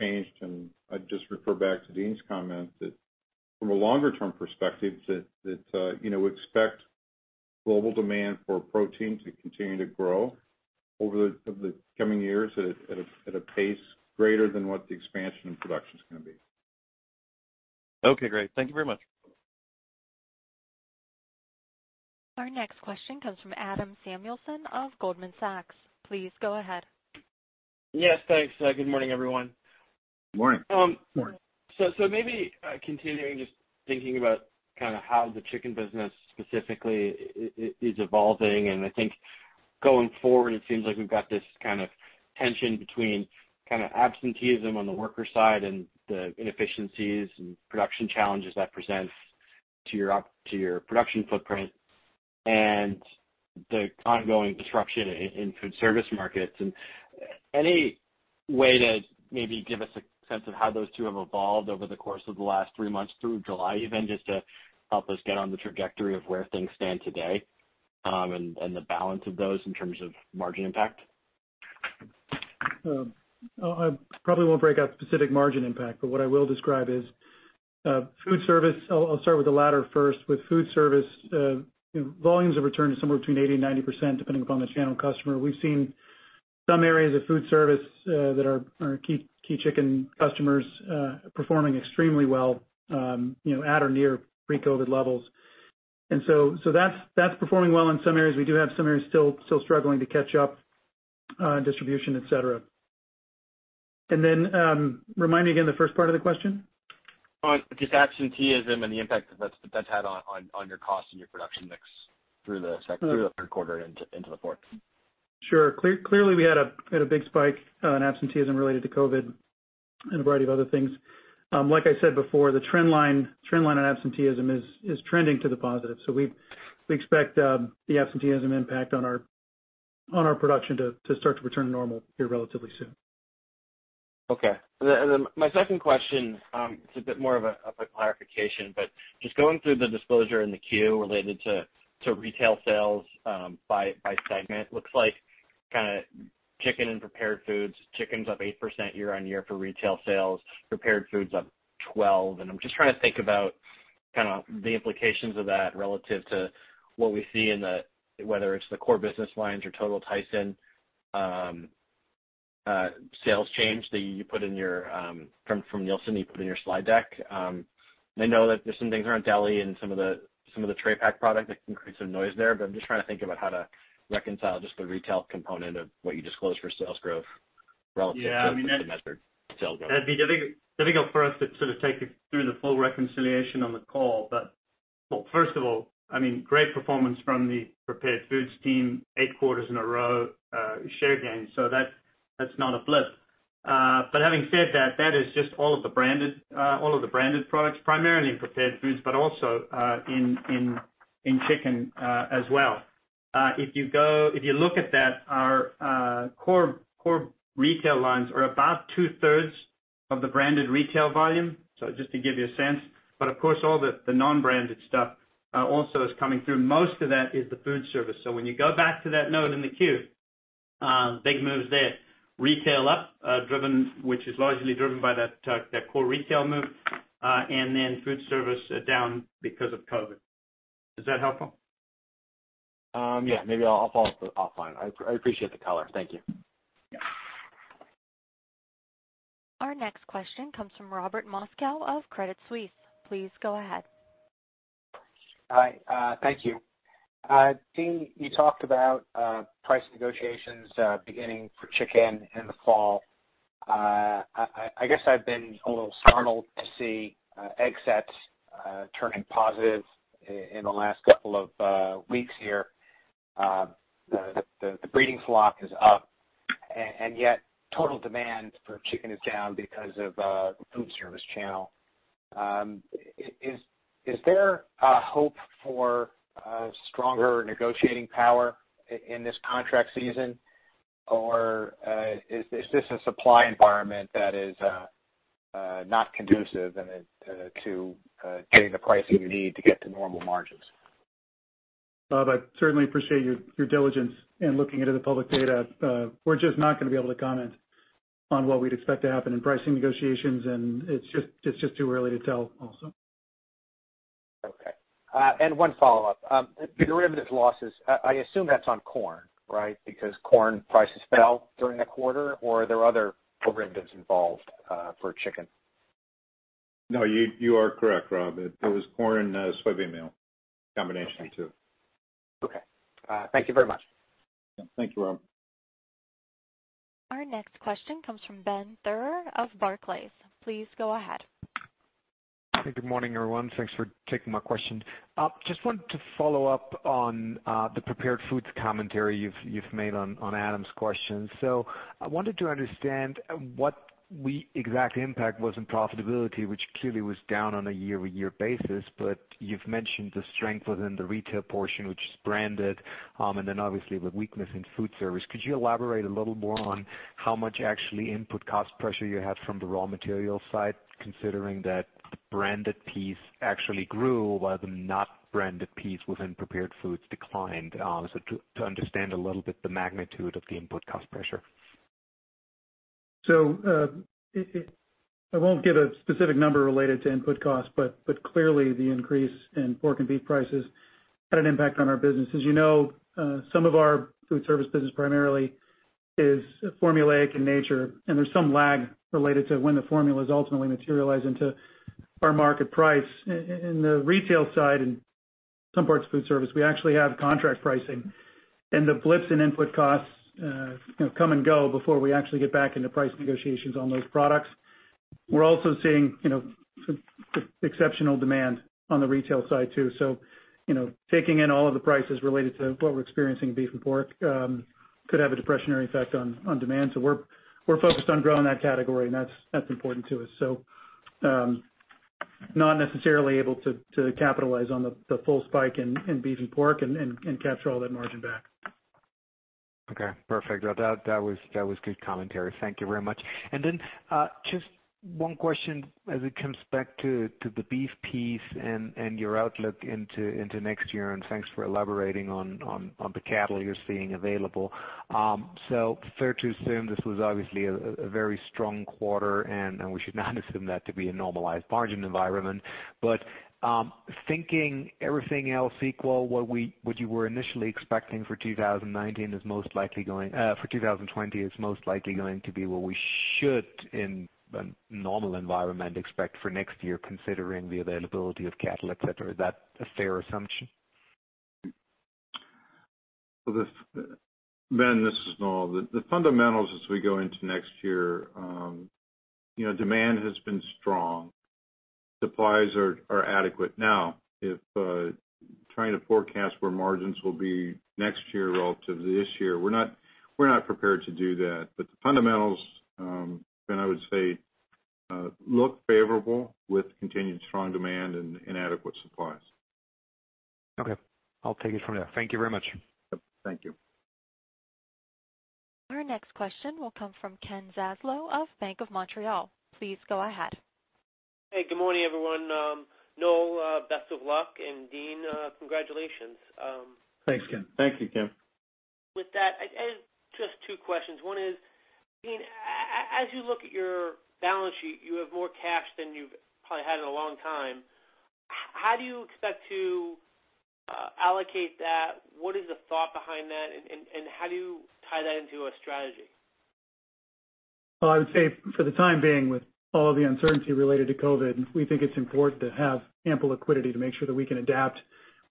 changed, and I'd just refer back to Dean's comment that from a longer-term perspective, that we expect. Global demand for protein to continue to grow over the coming years at a pace greater than what the expansion of production's going to be. Okay, great. Thank you very much. Our next question comes from Adam Samuelson of Goldman Sachs. Please go ahead. Yes, thanks. Good morning, everyone. Morning. Maybe continuing just thinking about how the chicken business specifically is evolving, and I think going forward, it seems like we've got this tension between absenteeism on the worker side and the inefficiencies and production challenges that presents to your production footprint and the ongoing disruption in food service markets. Any way to maybe give us a sense of how those two have evolved over the course of the last three months through July even, just to help us get on the trajectory of where things stand today, and the balance of those in terms of margin impact? I probably won't break out specific margin impact, but what I will describe is food service. I'll start with the latter first. With food service, volumes have returned to somewhere between 80% and 90%, depending upon the channel customer. We've seen some areas of food service that are our key chicken customers performing extremely well at or near pre-COVID-19 levels. That's performing well in some areas. We do have some areas still struggling to catch up on distribution, et cetera. Remind me again the first part of the question. On just absenteeism and the impact that that's had on your cost and your production mix through the second quarter and into the fourth. Sure. Clearly, we had a big spike in absenteeism related to COVID and a variety of other things. Like I said before, the trend line on absenteeism is trending to the positive. We expect the absenteeism impact on our production to start to return to normal here relatively soon. Okay. Then my second question, it's a bit more of a clarification, but just going through the disclosure in the 10-Q related to retail sales by segment, looks like chicken and prepared foods, chicken's up 8% year-on-year for retail sales, prepared food's up 12%. I'm just trying to think about the implications of that relative to what we see in the, whether it's the core business lines or total Tyson sales change from Nielsen that you put in your slide deck. I know that there's some things around deli and some of the tray pack product that can create some noise there, but I'm just trying to think about how to reconcile just the retail component of what you disclosed for sales growth relative to- Yeah, I mean. The measured sales growth. That'd be difficult for us to sort of take you through the full reconciliation on the call. First of all, great performance from the prepared foods team, eight quarters in a row share gains, that's not a blip. Having said that is just all of the branded products, primarily in prepared foods, but also in chicken as well. If you look at that, our core retail lines are about 2/3 of the branded retail volume. Just to give you a sense, but of course, all the non-branded stuff also is coming through. Most of that is the food service. When you go back to that note in the Q, big moves there. Retail up, which is largely driven by that core retail move, and then food service down because of COVID. Is that helpful? Yeah. Maybe I'll follow up offline. I appreciate the color. Thank you. Yeah. Our next question comes from Robert Moskow of Credit Suisse. Please go ahead. Hi. Thank you. Dean, you talked about price negotiations beginning for chicken in the fall. I guess I've been a little startled to see egg sets turning positive in the last couple of weeks here. The breeding flock is up, and yet total demand for chicken is down because of food service channel. Is there a hope for stronger negotiating power in this contract season, or is this a supply environment that is not conducive to getting the pricing you need to get to normal margins? Rob, I certainly appreciate your diligence in looking into the public data. We're just not going to be able to comment on what we'd expect to happen in pricing negotiations, and it's just too early to tell also. Okay. One follow-up. The derivatives losses, I assume that's on corn, right? Because corn prices fell during the quarter, or are there other derivatives involved for chicken? No, you are correct, Rob. It was corn and soybean meal. A combination of two. Okay. Thank you very much. Yeah. Thank you, Rob. Our next question comes from Benjamin Theurer of Barclays. Please go ahead. Good morning, everyone. Thanks for taking my question. Just wanted to follow up on the prepared foods commentary you've made on Adam's question. I wanted to understand what the exact impact was on profitability, which clearly was down on a year-over-year basis. You've mentioned the strength within the retail portion, which is branded, and then obviously the weakness in food service. Could you elaborate a little more on how much actually input cost pressure you had from the raw material side, considering that the branded piece actually grew while the not branded piece within prepared foods declined? To understand a little bit the magnitude of the input cost pressure. I won't give a specific number related to input costs, but clearly the increase in pork and beef prices had an impact on our business. As you know, some of our food service business primarily is formulaic in nature, and there's some lag related to when the formulas ultimately materialize into our market price. In the retail side and some parts of food service, we actually have contract pricing. The flips in input costs come and go before we actually get back into price negotiations on those products. We're also seeing some exceptional demand on the retail side too. Taking in all of the prices related to what we're experiencing in beef and pork could have a depressionary effect on demand. We're focused on growing that category, and that's important to us. Not necessarily able to capitalize on the full spike in beef and pork and capture all that margin back. Okay, perfect. Well, that was good commentary. Thank you very much. Just one question as it comes back to the beef piece and your outlook into next year, and thanks for elaborating on the cattle you're seeing available. Fair to assume this was obviously a very strong quarter, and we should not assume that to be a normalized margin environment. Thinking everything else equal, what you were initially expecting for 2020 is most likely going to be what we should, in a normal environment, expect for next year, considering the availability of cattle, et cetera. Is that a fair assumption? Well, Ben, this is Noel. The fundamentals as we go into next year, demand has been strong. Supplies are adequate. If trying to forecast where margins will be next year relative to this year, we're not prepared to do that. The fundamentals, Ben, I would say, look favorable with continued strong demand and adequate supplies. Okay. I'll take it from there. Thank you very much. Yep. Thank you. Our next question will come from Ken Zaslow of Bank of Montreal. Please go ahead. Hey, good morning, everyone. Noel, best of luck, and Dan, congratulations. Thanks, Ken. Thank you, Ken. With that, I have just two questions. One is, Dean, as you look at your balance sheet, you have more cash than you've probably had in a long time. How do you expect to allocate that? What is the thought behind that, and how do you tie that into a strategy? Well, I would say for the time being, with all the uncertainty related to COVID-19, we think it's important to have ample liquidity to make sure that we can adapt.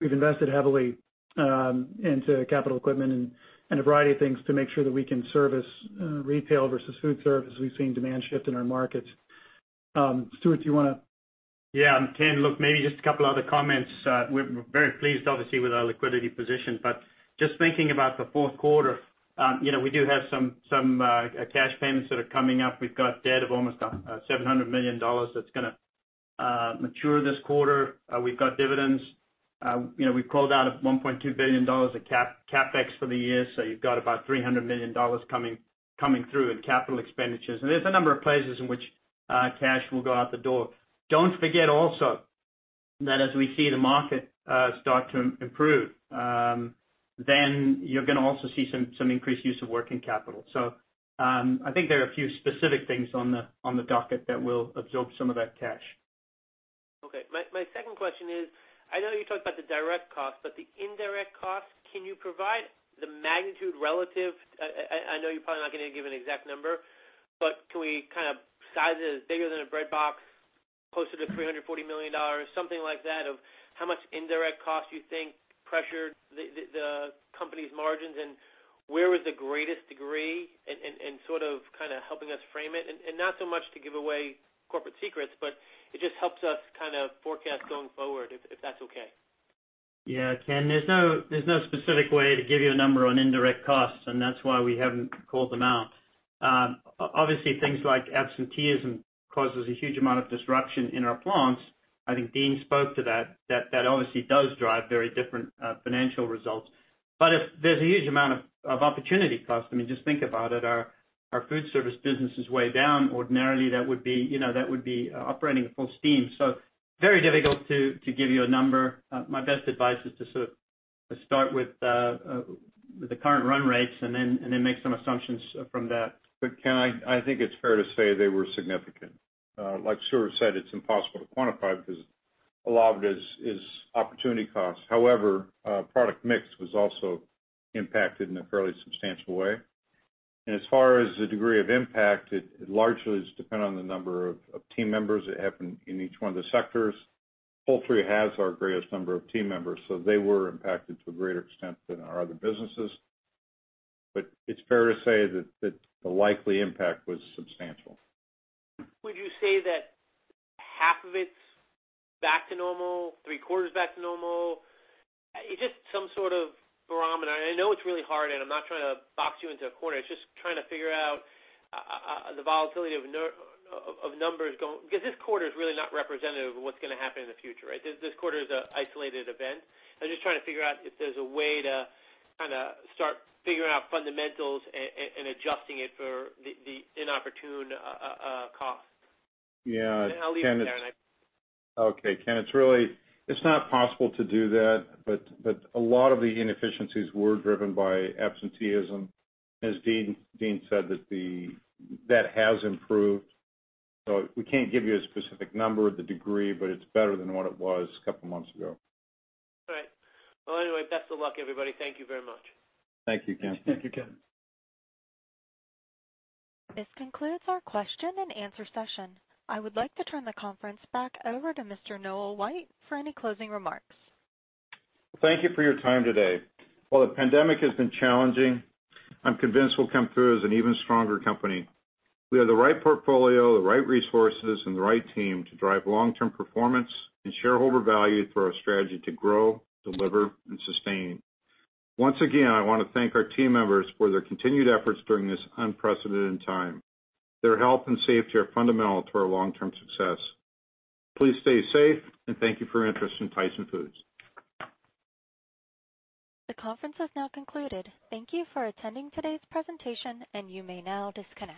We've invested heavily into capital equipment and a variety of things to make sure that we can service retail versus food service, as we've seen demand shift in our markets. Stewart, do you want to? Yeah. Ken, look, maybe just a couple other comments. We're very pleased, obviously, with our liquidity position. Just thinking about the fourth quarter, we do have some cash payments that are coming up. We've got debt of almost $700 million that's going to mature this quarter. We've got dividends. We've called out $1.2 billion of CapEx for the year, so you've got about $300 million coming through in capital expenditures. There's a number of places in which cash will go out the door. Don't forget also that as we see the market start to improve, then you're going to also see some increased use of working capital. I think there are a few specific things on the docket that will absorb some of that cash. Okay. My second question is, I know you talked about the direct costs, but the indirect costs, can you provide the magnitude relative? I know you're probably not going to give an exact number, but can we kind of size it as bigger than a breadbox, closer to $340 million? Something like that, of how much indirect cost you think pressured the company's margins, and where was the greatest degree in sort of helping us frame it? Not so much to give away corporate secrets, but it just helps us kind of forecast going forward, if that's okay. Yeah, Ken, there's no specific way to give you a number on indirect costs, and that's why we haven't called them out. Obviously things like absenteeism causes a huge amount of disruption in our plants. I think Dean spoke to that. That obviously does drive very different financial results. There's a huge amount of opportunity cost. I mean, just think about it. Our food service business is way down. Ordinarily, that would be operating at full steam. Very difficult to give you a number. My best advice is to sort of start with the current run rates and then make some assumptions from that. Ken, I think it's fair to say they were significant. Like Stewart said, it's impossible to quantify because a lot of it is opportunity cost. However, product mix was also impacted in a fairly substantial way. As far as the degree of impact, it largely is dependent on the number of team members that have been in each one of the sectors. Poultry has our greatest number of team members, so they were impacted to a greater extent than our other businesses. It's fair to say the likely impact was substantial. Would you say that half of it's back to normal, 3/4 back to normal? Just some sort of barometer. I know it's really hard, and I'm not trying to box you into a corner. It's just trying to figure out the volatility of numbers because this quarter is really not representative of what's going to happen in the future, right? This quarter is an isolated event. I'm just trying to figure out if there's a way to kind of start figuring out fundamentals and adjusting it for the inopportune cost. Yeah. I'll leave it there. Okay, Ken. It's not possible to do that, but a lot of the inefficiencies were driven by absenteeism. As Dean said, that has improved. We can't give you a specific number of the degree, but it's better than what it was a couple of months ago. All right. Well, anyway, best of luck, everybody. Thank you very much. Thank you, Ken. Thank you, Ken. This concludes our question and answer session. I would like to turn the conference back over to Mr. Noel White for any closing remarks. Thank you for your time today. While the pandemic has been challenging, I'm convinced we'll come through as an even stronger company. We have the right portfolio, the right resources, and the right team to drive long-term performance and shareholder value through our strategy to grow, deliver, and sustain. Once again, I want to thank our team members for their continued efforts during this unprecedented time. Their health and safety are fundamental to our long-term success. Please stay safe, and thank you for your interest in Tyson Foods. The conference has now concluded. Thank you for attending today's presentation. You may now disconnect.